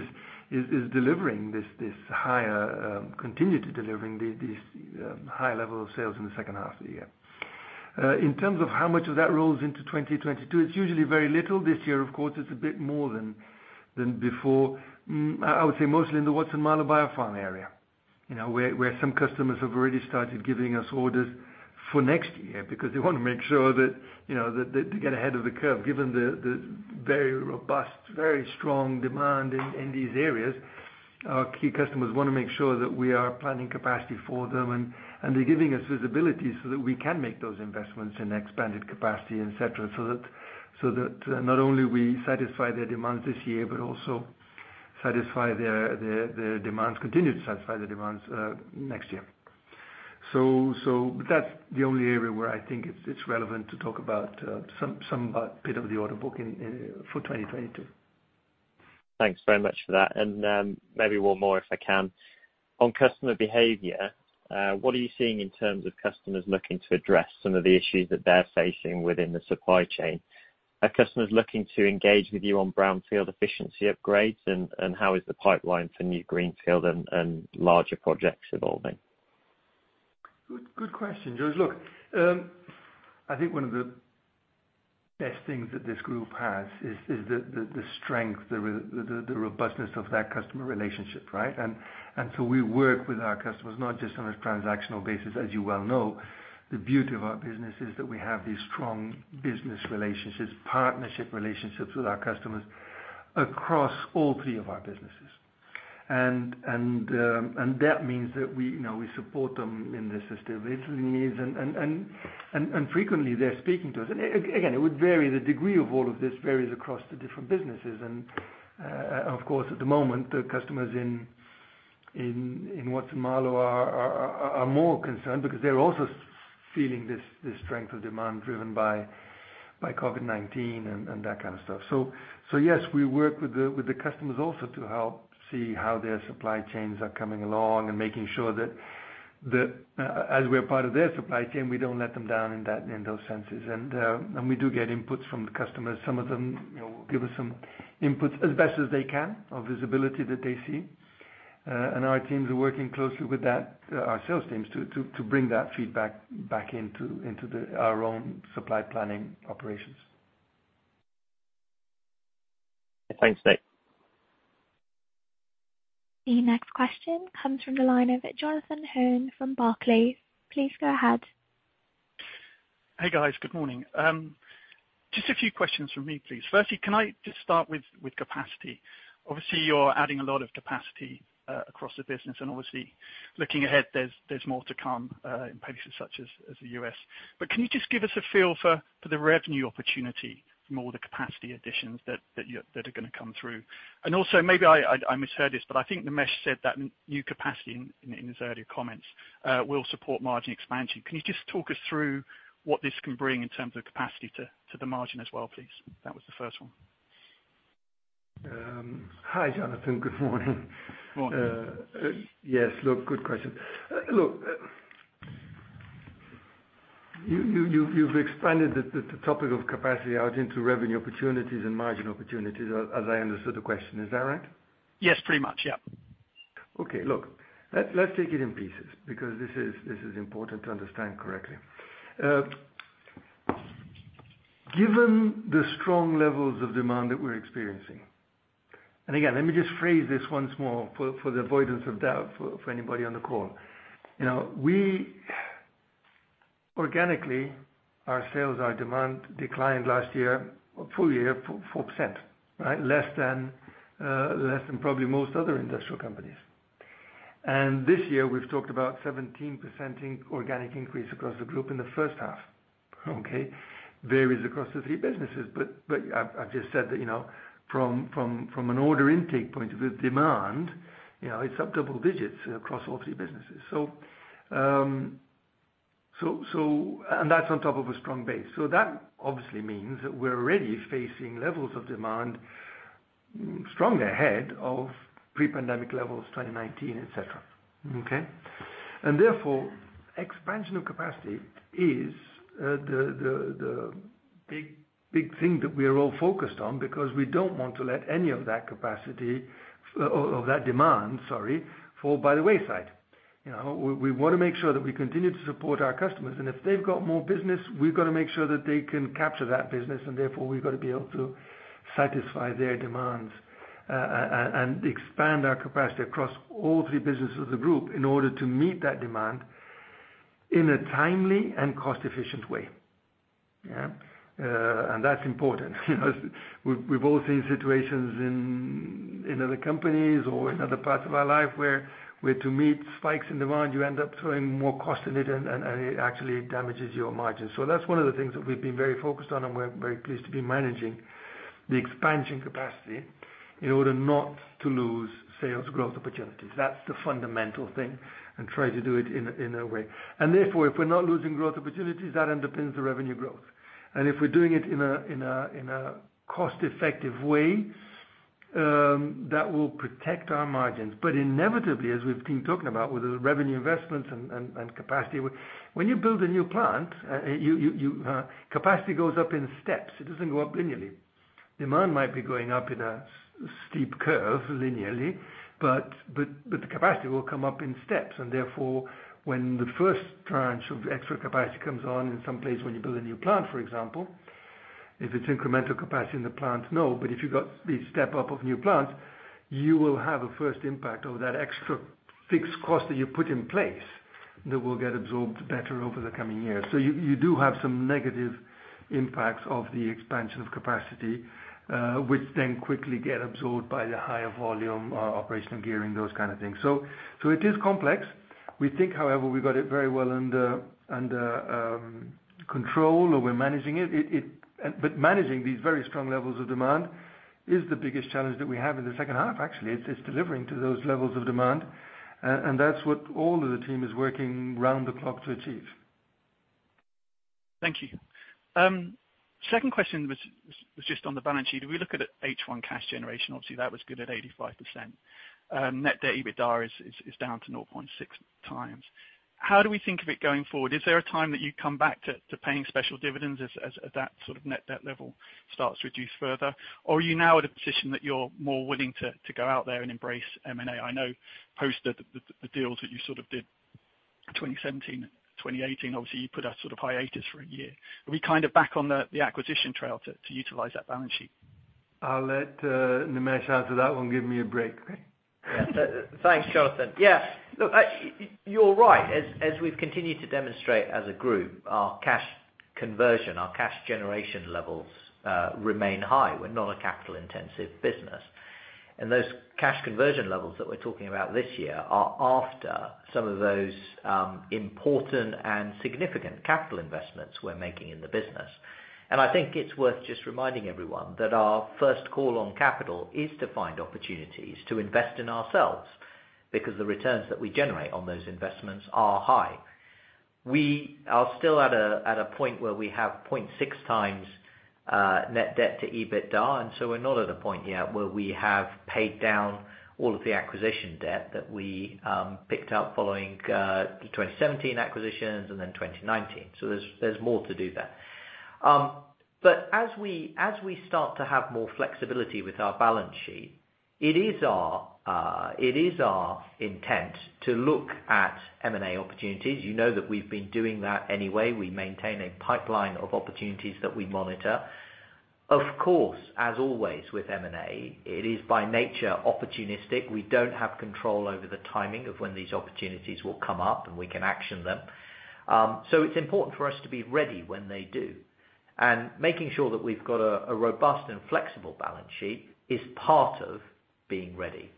is delivering this higher, continue to delivering these high levels of sales in the second half of the year. In terms of how much of that rolls into 2022, it's usually very little. This year, of course, it's a bit more than before. I would say mostly in the Watson-Marlow BioPure area, where some customers have already started giving us orders for next year because they want to make sure that they get ahead of the curve. Given the very robust, very strong demand in these areas, our key customers want to make sure that we are planning capacity for them, and they're giving us visibility so that we can make those investments in expanded capacity, etc., so that not only we satisfy their demands this year, but also satisfy their demands, continue to satisfy their demands next year. So that's the only area where I think it's relevant to talk about some bit of the order book for 2022. Thanks very much for that, and maybe one more if I can. On customer behavior, what are you seeing in terms of customers looking to address some of the issues that they're facing within the supply chain? Are customers looking to engage with you on brownfield efficiency upgrades, and how is the pipeline for new greenfield and larger projects evolving? Good question, George. Look, I think one of the best things that this group has is the strength, the robustness of that customer relationship, right? And so we work with our customers not just on a transactional basis, as you well know. The beauty of our business is that we have these strong business relationships, partnership relationships with our customers across all three of our businesses. And that means that we support them in their sustainability needs, and frequently, they're speaking to us. And again, it would vary. The degree of all of this varies across the different businesses. And of course, at the moment, the customers in Watson-Marlow are more concerned because they're also feeling this strength of demand driven by COVID-19 and that kind of stuff. So yes, we work with the customers also to help see how their supply chains are coming along and making sure that as we're part of their supply chain, we don't let them down in those senses. And we do get inputs from the customers. Some of them will give us some inputs as best as they can of visibility that they see. And our teams are working closely with our sales teams to bring that feedback back into our own supply planning operations. Thanks, Nate. The next question comes from the line of Jonathan Hurn from Barclays. Please go ahead. Hey, guys. Good morning. Just a few questions from me, please. Firstly, can I just start with capacity? Obviously, you're adding a lot of capacity across the business. And obviously, looking ahead, there's more to come in places such as the U.S. But can you just give us a feel for the revenue opportunity from all the capacity additions that are going to come through? And also, maybe I misheard this, but I think Nimesh said that new capacity in his earlier comments will support margin expansion. Can you just talk us through what this can bring in terms of capacity to the margin as well, please? That was the first one. Hi, Jonathan. Good morning. Good morning. Yes. Look, good question. Look, you've expanded the topic of capacity out into revenue opportunities and margin opportunities, as I understood the question. Is that right? Yes, pretty much. Yeah. Okay. Look, let's take it in pieces because this is important to understand correctly. Given the strong levels of demand that we're experiencing, and again, let me just phrase this once more for the avoidance of doubt for anybody on the call, organically, our sales, our demand declined last year, full year, 4%, right? Less than probably most other industrial companies, and this year, we've talked about a 17% organic increase across the group in the first half. Okay? Varies across the three businesses, but I've just said that from an order intake point of view, demand, it's up double digits across all three businesses, and that's on top of a strong base, so that obviously means that we're already facing levels of demand stronger ahead of pre-pandemic levels, 2019, etc. Okay, and therefore, expansion of capacity is the big thing that we are all focused on because we don't want to let any of that capacity or that demand, sorry, fall by the wayside. We want to make sure that we continue to support our customers. And if they've got more business, we've got to make sure that they can capture that business. And therefore, we've got to be able to satisfy their demands and expand our capacity across all three businesses of the group in order to meet that demand in a timely and cost-efficient way. Yeah? And that's important. We've all seen situations in other companies or in other parts of our life where, to meet spikes in demand, you end up throwing more cost in it, and it actually damages your margins. So that's one of the things that we've been very focused on, and we're very pleased to be managing the expansion capacity in order not to lose sales growth opportunities. That's the fundamental thing and try to do it in a way. Therefore, if we're not losing growth opportunities, that underpins the revenue growth. If we're doing it in a cost-effective way, that will protect our margins. Inevitably, as we've been talking about with the revenue investments and capacity, when you build a new plant, capacity goes up in steps. It doesn't go up linearly. Demand might be going up in a steep curve linearly, but the capacity will come up in steps. Therefore, when the first tranche of extra capacity comes on in some place when you build a new plant, for example, if it's incremental capacity in the plant, no. If you've got these step-up of new plants, you will have a first impact of that extra fixed cost that you put in place that will get absorbed better over the coming years. You do have some negative impacts of the expansion of capacity, which then quickly get absorbed by the higher volume, operational gearing, those kind of things. It is complex. We think, however, we've got it very well under control or we're managing it. Managing these very strong levels of demand is the biggest challenge that we have in the second half, actually. It's delivering to those levels of demand. That's what all of the team is working around the clock to achieve. Thank you. Second question was just on the balance sheet. If we look at H1 cash generation, obviously, that was good at 85%. Net debt to EBITDA is down to 0.6 times. How do we think of it going forward? Is there a time that you come back to paying special dividends as that sort of net debt level starts to reduce further? Or are you now at a position that you're more willing to go out there and embrace M&A? I know post the deals that you sort of did 2017, 2018, obviously, you put us sort of hiatus for a year. Are we kind of back on the acquisition trail to utilize that balance sheet? I'll let Nimesh answer that one. Give me a break, okay? Thanks, Jonathan. Yeah. Look, you're right. As we've continued to demonstrate as a group, our cash conversion, our cash generation levels remain high. We're not a capital-intensive business. And those cash conversion levels that we're talking about this year are after some of those important and significant capital investments we're making in the business. I think it's worth just reminding everyone that our first call on capital is to find opportunities to invest in ourselves because the returns that we generate on those investments are high. We are still at a point where we have 0.6 times net debt to EBITDA, and so we're not at a point yet where we have paid down all of the acquisition debt that we picked up following the 2017 acquisitions and then 2019. There's more to do there. As we start to have more flexibility with our balance sheet, it is our intent to look at M&A opportunities. You know that we've been doing that anyway. We maintain a pipeline of opportunities that we monitor. Of course, as always with M&A, it is by nature opportunistic. We don't have control over the timing of when these opportunities will come up, and we can action them. So it's important for us to be ready when they do, and making sure that we've got a robust and flexible balance sheet is part of being ready.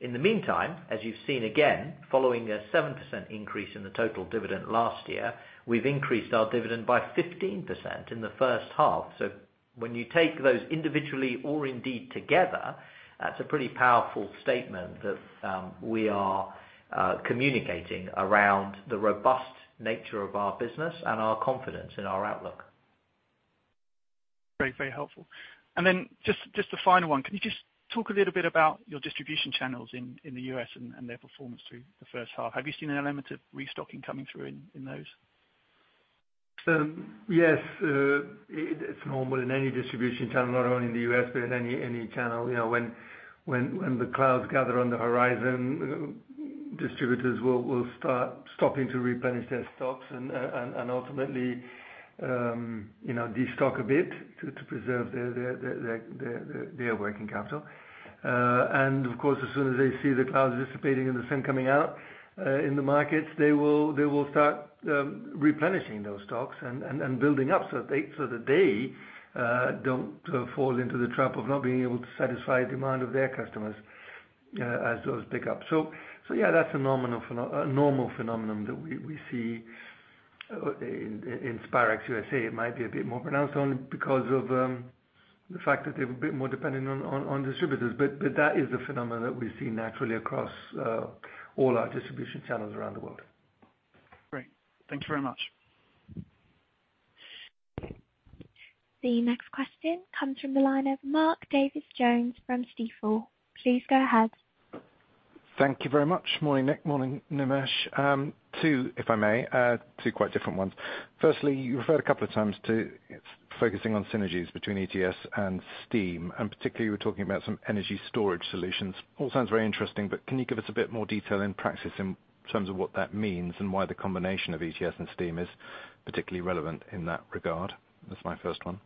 In the meantime, as you've seen again, following a 7% increase in the total dividend last year, we've increased our dividend by 15% in the first half. So when you take those individually or indeed together, that's a pretty powerful statement that we are communicating around the robust nature of our business and our confidence in our outlook. Very, very helpful, and then just the final one. Can you just talk a little bit about your distribution channels in the U.S. and their performance through the first half? Have you seen an element of restocking coming through in those? Yes. It's normal in any distribution channel, not only in the U.S., but in any channel. When the clouds gather on the horizon, distributors will start stopping to replenish their stocks and ultimately destock a bit to preserve their working capital. And of course, as soon as they see the clouds dissipating and the sun coming out in the markets, they will start replenishing those stocks and building up so that they don't fall into the trap of not being able to satisfy the demand of their customers as those pick up. So yeah, that's a normal phenomenon that we see in Spirax USA. It might be a bit more pronounced only because of the fact that they're a bit more dependent on distributors. But that is the phenomenon that we see naturally across all our distribution channels around the world. Great. Thanks very much. The next question comes from the line of Mark Davies Jones from Stifel. Please go ahead. Thank you very much. Morning, Nick. Morning, Nimesh. Two, if I may, two quite different ones. Firstly, you referred a couple of times to focusing on synergies between ETS and Steam, and particularly, you were talking about some energy storage solutions. All sounds very interesting, but can you give us a bit more detail in practice in terms of what that means and why the combination of ETS and Steam is particularly relevant in that regard? That's my first one.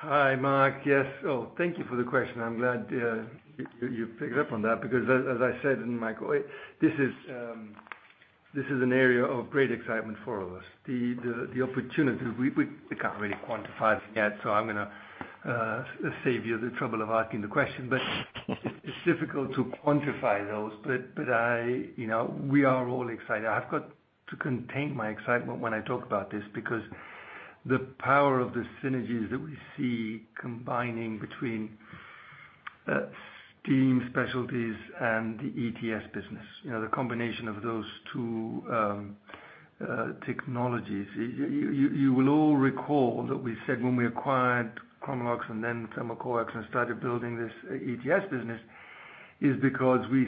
Hi, Mark. Yes. Oh, thank you for the question. I'm glad you picked up on that because, as I said in my quote, this is an area of great excitement for all of us. The opportunity we can't really quantify them yet, so I'm going to save you the trouble of asking the question. But it's difficult to quantify those, but we are all excited. I've got to contain my excitement when I talk about this because the power of the synergies that we see combining between Steam Specialties and the ETS business, the combination of those two technologies. You will all recall that we said when we acquired Chromalox and then Thermocoax and started building this ETS business is because we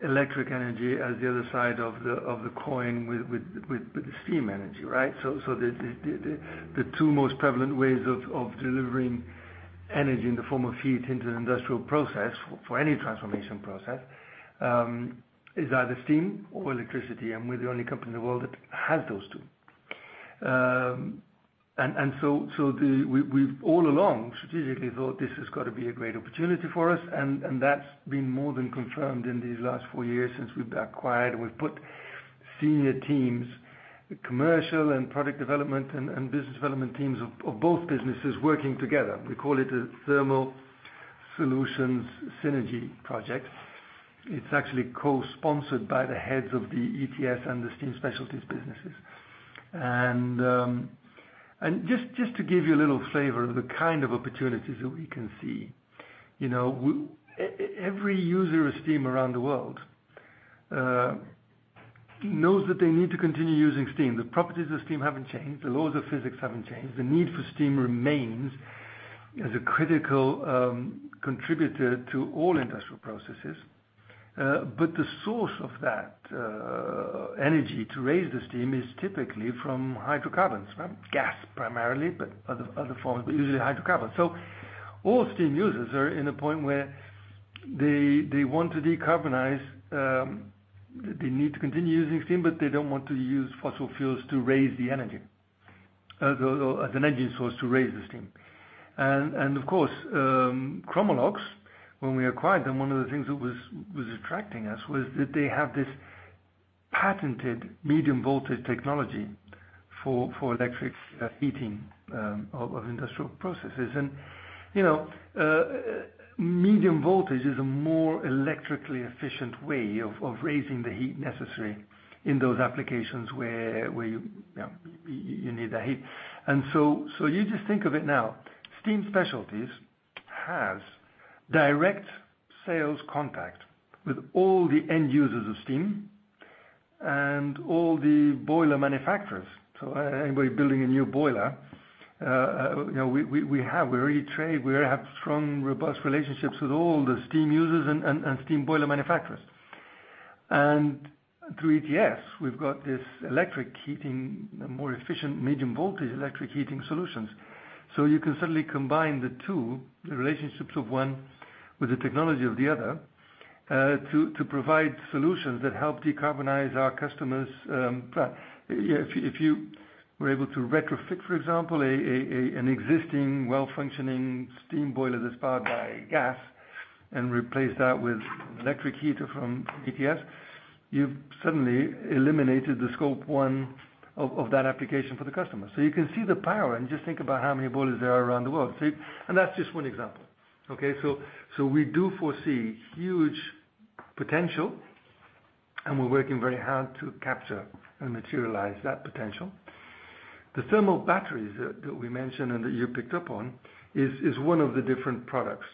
see electric energy as the other side of the coin with the steam energy, right? So the two most prevalent ways of delivering energy in the form of heat into an industrial process for any transformation process is either steam or electricity. And we're the only company in the world that has those two. And so we've all along strategically thought this has got to be a great opportunity for us. That's been more than confirmed in these last four years since we've acquired and we've put senior teams, commercial and product development and business development teams of both businesses working together. We call it a thermal solutions synergy project. It's actually co-sponsored by the heads of the ETS and the Steam Specialties businesses. Just to give you a little flavor of the kind of opportunities that we can see, every user of steam around the world knows that they need to continue using steam. The properties of steam haven't changed. The laws of physics haven't changed. The need for steam remains as a critical contributor to all industrial processes. The source of that energy to raise the steam is typically from hydrocarbons, gas primarily, but other forms, but usually hydrocarbons. All steam users are in a point where they want to decarbonize. They need to continue using steam, but they don't want to use fossil fuels to raise the energy, the energy source to raise the steam. And of course, Chromalox, when we acquired them, one of the things that was attracting us was that they have this patented medium voltage technology for electric heating of industrial processes. And medium voltage is a more electrically efficient way of raising the heat necessary in those applications where you need that heat. And so you just think of it now. Steam Specialties have direct sales contact with all the end users of steam and all the boiler manufacturers. So anybody building a new boiler, we already trade. We have strong, robust relationships with all the steam users and steam boiler manufacturers. And through ETS, we've got this electric heating, more efficient medium voltage electric heating solutions. So you can suddenly combine the two, the relationships of one with the technology of the other, to provide solutions that help decarbonize our customers. If you were able to retrofit, for example, an existing well-functioning steam boiler that's powered by gas and replace that with an electric heater from ETS, you've suddenly eliminated the Scope 1 of that application for the customer. So you can see the power and just think about how many boilers there are around the world. And that's just one example. Okay? So we do foresee huge potential, and we're working very hard to capture and materialize that potential. The thermal batteries that we mentioned and that you picked up on is one of the different products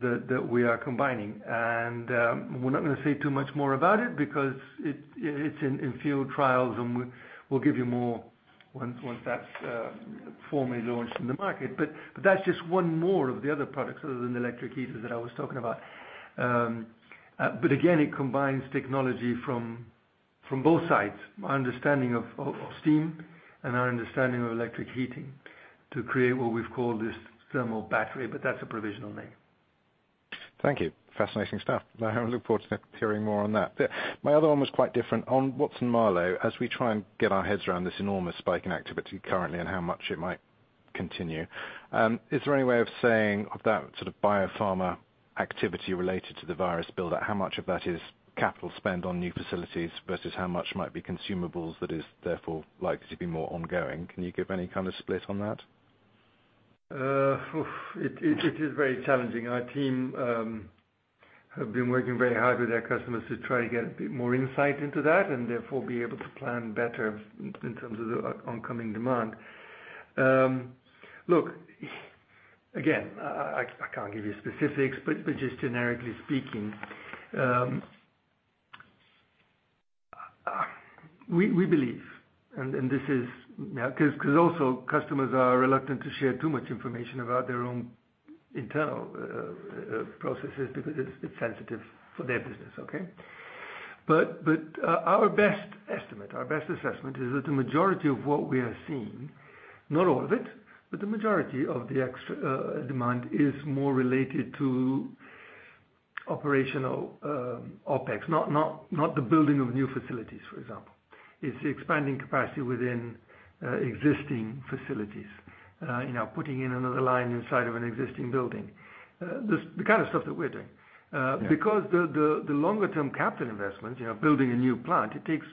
that we are combining. We're not going to say too much more about it because it's in field trials, and we'll give you more once that's formally launched in the market. That's just one more of the other products other than the electric heaters that I was talking about. Again, it combines technology from both sides, our understanding of steam and our understanding of electric heating to create what we've called this Thermal Battery, but that's a provisional name. Thank you. Fascinating stuff. I look forward to hearing more on that. My other one was quite different. On Watson-Marlow, as we try and get our heads around this enormous spike in activity currently and how much it might continue, is there any way of saying of that sort of biopharma activity related to the virus build-up, how much of that is capital spend on new facilities versus how much might be consumables that is therefore likely to be more ongoing? Can you give any kind of split on that? It is very challenging. Our team have been working very hard with our customers to try to get a bit more insight into that and therefore be able to plan better in terms of the oncoming demand. Look, again, I can't give you specifics, but just generically speaking, we believe, and this is because also customers are reluctant to share too much information about their own internal processes because it's sensitive for their business, okay? But our best estimate, our best assessment is that the majority of what we are seeing, not all of it, but the majority of the demand is more related to operational OpEx, not the building of new facilities, for example. It's the expanding capacity within existing facilities, putting in another line inside of an existing building, the kind of stuff that we're doing. Because the longer-term capital investments, building a new plant, it takes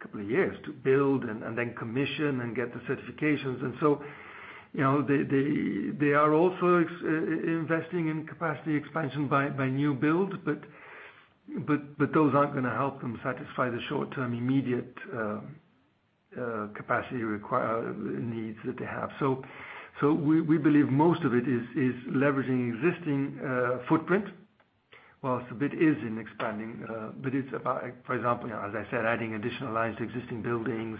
a couple of years to build and then commission and get the certifications. And so they are also investing in capacity expansion by new build, but those aren't going to help them satisfy the short-term immediate capacity needs that they have. So we believe most of it is leveraging existing footprint. While it's a bit easy in expanding, but it's about, for example, as I said, adding additional lines to existing buildings,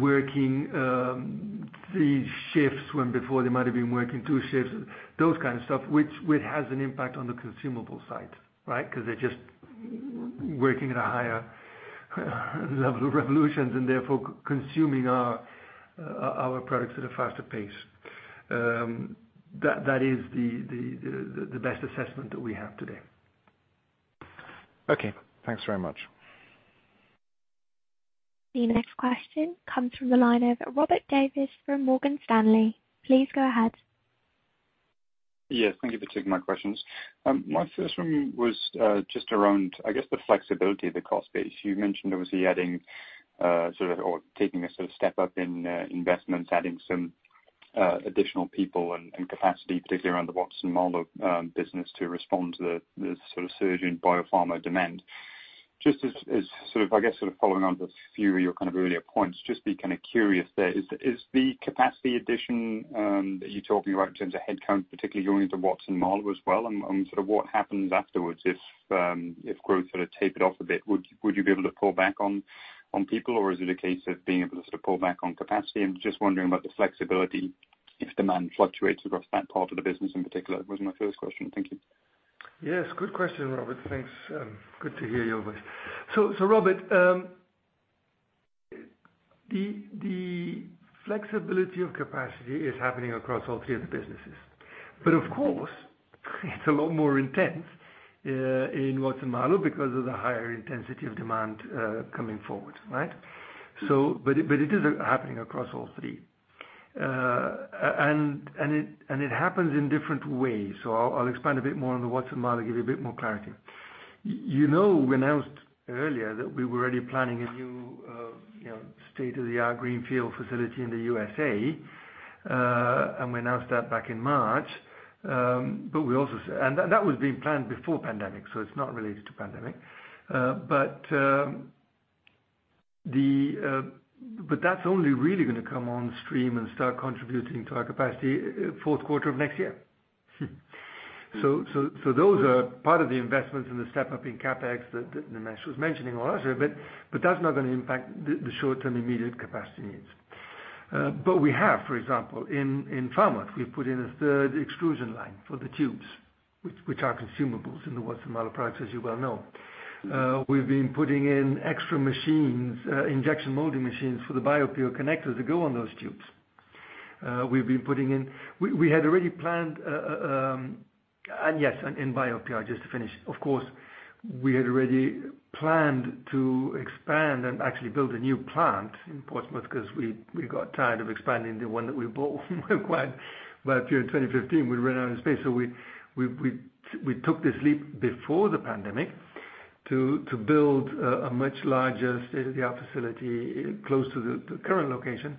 working these shifts when before they might have been working two shifts, those kinds of stuff, which has an impact on the consumable side, right? Because they're just working at a higher level of revolutions and therefore consuming our products at a faster pace. That is the best assessment that we have today. Okay. Thanks very much. The next question comes from the line of Robert Davies from Morgan Stanley. Please go ahead. Yes. Thank you for taking my questions. My first one was just around, I guess, the flexibility of the cost base. You mentioned obviously adding sort of or taking a sort of step up in investments, adding some additional people and capacity, particularly around the Watson-Marlow business to respond to the sort of surge in biopharma demand. Just as sort of, I guess, sort of following on to a few of your kind of earlier points, just be kind of curious there. Is the capacity addition that you're talking about in terms of headcount, particularly going into Watson-Marlow as well, and sort of what happens afterwards if growth sort of tapered off a bit? Would you be able to pull back on people, or is it a case of being able to sort of pull back on capacity? And just wondering about the flexibility if demand fluctuates across that part of the business in particular was my first question? Thank you. Yes. Good question, Robert. Thanks. Good to hear your voice. So Robert, the flexibility of capacity is happening across all three of the businesses. But of course, it's a lot more intense in Watson-Marlow because of the higher intensity of demand coming forward, right? But it is happening across all three. And it happens in different ways. So I'll expand a bit more on the Watson-Marlow to give you a bit more clarity. You know we announced earlier that we were already planning a new state-of-the-art greenfield facility in the USA, and we announced that back in March. But we also said and that was being planned before pandemic, so it's not related to pandemic. But that's only really going to come on stream and start contributing to our capacity fourth quarter of next year. So those are part of the investments and the step-up in CapEx that Nimesh was mentioning also, but that's not going to impact the short-term immediate capacity needs. But we have, for example, in pharma, we've put in a third extrusion line for the tubes, which are consumables in the Watson-Marlow products, as you well know. We've been putting in extra machines, injection molding machines for the BioPure connectors that go on those tubes. We've been putting in. We had already planned and yes, in BioPure, just to finish. Of course, we had already planned to expand and actually build a new plant in Portsmouth because we got tired of expanding the one that we bought by 2015. We ran out of space. So we took this leap before the pandemic to build a much larger state-of-the-art facility close to the current location.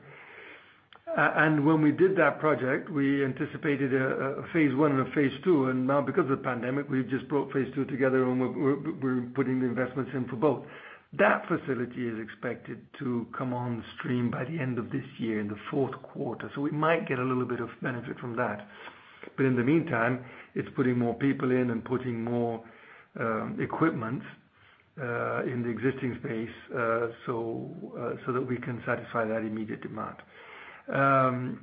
And when we did that project, we anticipated a phase one and a phase two. And now, because of the pandemic, we've just brought phase two together, and we're putting the investments in for both. That facility is expected to come on stream by the end of this year in the fourth quarter. So we might get a little bit of benefit from that. But in the meantime, it's putting more people in and putting more equipment in the existing space so that we can satisfy that immediate demand. Aflex,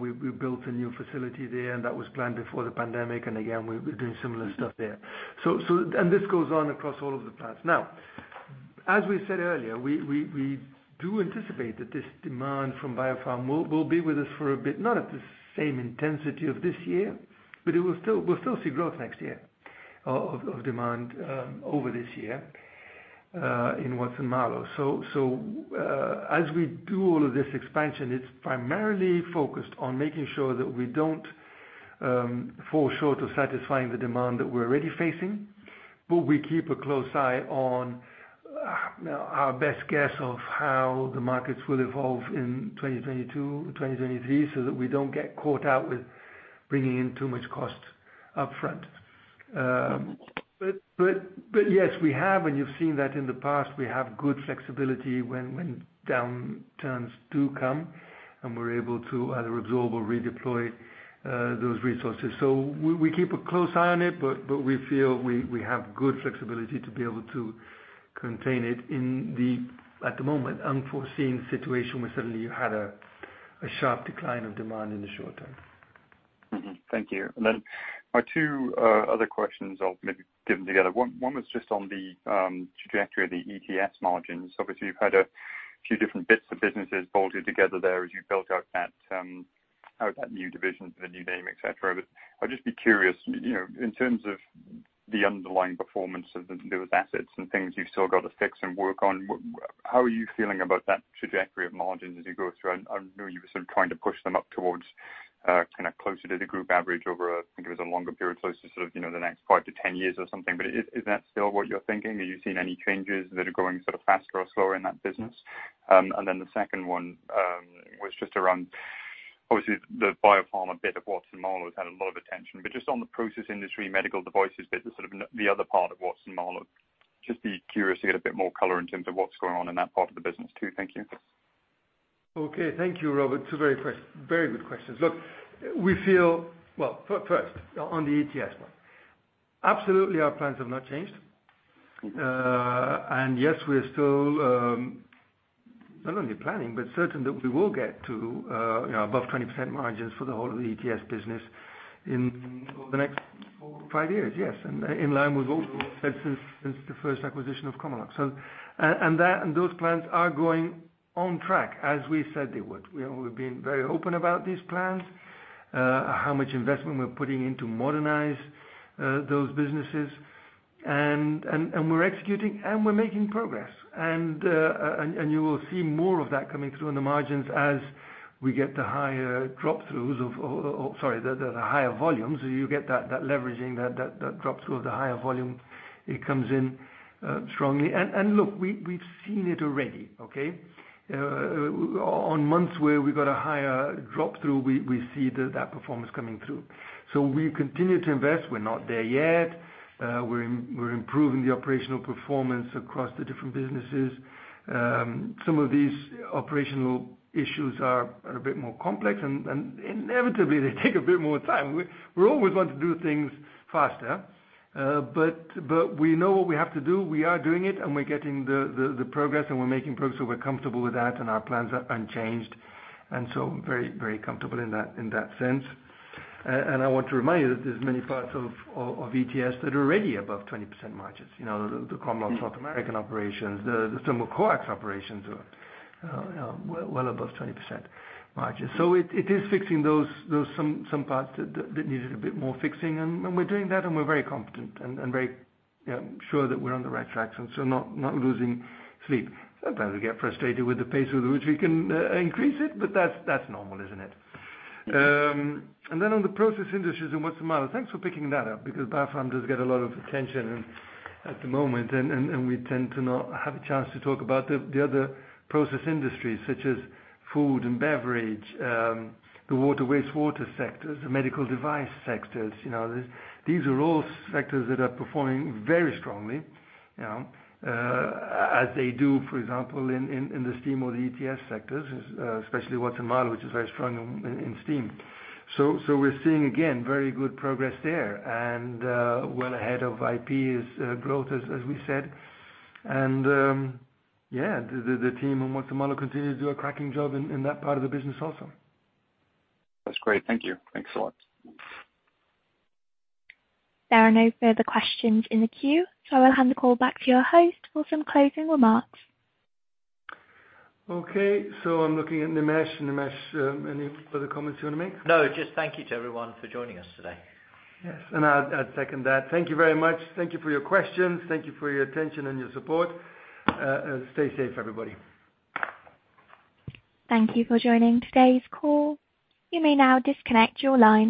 we built a new facility there, and that was planned before the pandemic. And again, we're doing similar stuff there. And this goes on across all of the plants. Now, as we said earlier, we do anticipate that this demand from biopharma will be with us for a bit, not at the same intensity of this year, but we'll still see growth next year of demand over this year in Watson-Marlow. So as we do all of this expansion, it's primarily focused on making sure that we don't fall short of satisfying the demand that we're already facing, but we keep a close eye on our best guess of how the markets will evolve in 2022, 2023, so that we don't get caught out with bringing in too much cost upfront. But yes, we have, and you've seen that in the past. We have good flexibility when downturns do come, and we're able to either absorb or redeploy those resources. So we keep a close eye on it, but we feel we have good flexibility to be able to contain it in the, at the moment, unforeseen situation where suddenly you had a sharp decline of demand in the short term. Thank you. And then our two other questions I'll maybe give them together. One was just on the trajectory of the ETS margins. Obviously, you've had a few different bits of businesses bolted together there as you built out that new division for the new name, etc. But I'd just be curious, in terms of the underlying performance of those assets and things you've still got to fix and work on, how are you feeling about that trajectory of margins as you go through? I know you were sort of trying to push them up towards kind of closer to the group average over, I think it was a longer period, closer to sort of the next five to 10 years or something. But is that still what you're thinking? Are you seeing any changes that are going sort of faster or slower in that business? And then the second one was just around, obviously, the biopharma bit of Watson-Marlow has had a lot of attention, but just on the process industry, medical devices bit, sort of the other part of Watson-Marlow. Just be curious to get a bit more color in terms of what's going on in that part of the business too. Thank you. Okay. Thank you, Robert. Two very good questions. Look, we feel well, first, on the ETS one, absolutely our plans have not changed. Yes, we are still not only planning, but certain that we will get to above 20% margins for the whole of the ETS business in the next four or five years, yes, and in line with what we've said since the first acquisition of Chromalox. And those plans are going on track as we said they would. We've been very open about these plans, how much investment we're putting into modernize those businesses. And we're executing, and we're making progress. And you will see more of that coming through on the margins as we get the higher drop-throughs of sorry, the higher volumes. You get that leveraging, that drop-through of the higher volume. It comes in strongly. And look, we've seen it already, okay? On months where we've got a higher drop-through, we see that performance coming through. So we continue to invest. We're not there yet. We're improving the operational performance across the different businesses. Some of these operational issues are a bit more complex, and inevitably, they take a bit more time. We always want to do things faster, but we know what we have to do. We are doing it, and we're getting the progress, and we're making progress, so we're comfortable with that, and our plans are unchanged, and so very comfortable in that sense, and I want to remind you that there's many parts of ETS that are already above 20% margins, the Chromalox North American operations, the Thermocoax operations are well above 20% margins, so it is fixing those some parts that needed a bit more fixing, and we're doing that, and we're very confident and very sure that we're on the right tracks and so not losing sleep. Sometimes we get frustrated with the pace with which we can increase it, but that's normal, isn't it? Then on the process industries in Watson-Marlow, thanks for picking that up because biopharma does get a lot of attention at the moment, and we tend to not have a chance to talk about the other process industries such as food and beverage, the wastewater sectors, the medical device sectors. These are all sectors that are performing very strongly as they do, for example, in the Steam or the ETS sectors, especially Watson-Marlow, which is very strong in steam. So we're seeing, again, very good progress there and well ahead of IP's growth, as we said. Yeah, the team in Watson-Marlow continues to do a cracking job in that part of the business also. That's great. Thank you. Thanks a lot. There are no further questions in the queue, so I will hand the call back to your host for some closing remarks. Okay. So I'm looking at Nimesh. Nimesh, any further comments you want to make? No, just thank you to everyone for joining us today. Yes. And I'd second that. Thank you very much. Thank you for your questions. Thank you for your attention and your support. Stay safe, everybody. Thank you for joining today's call. You may now disconnect your line.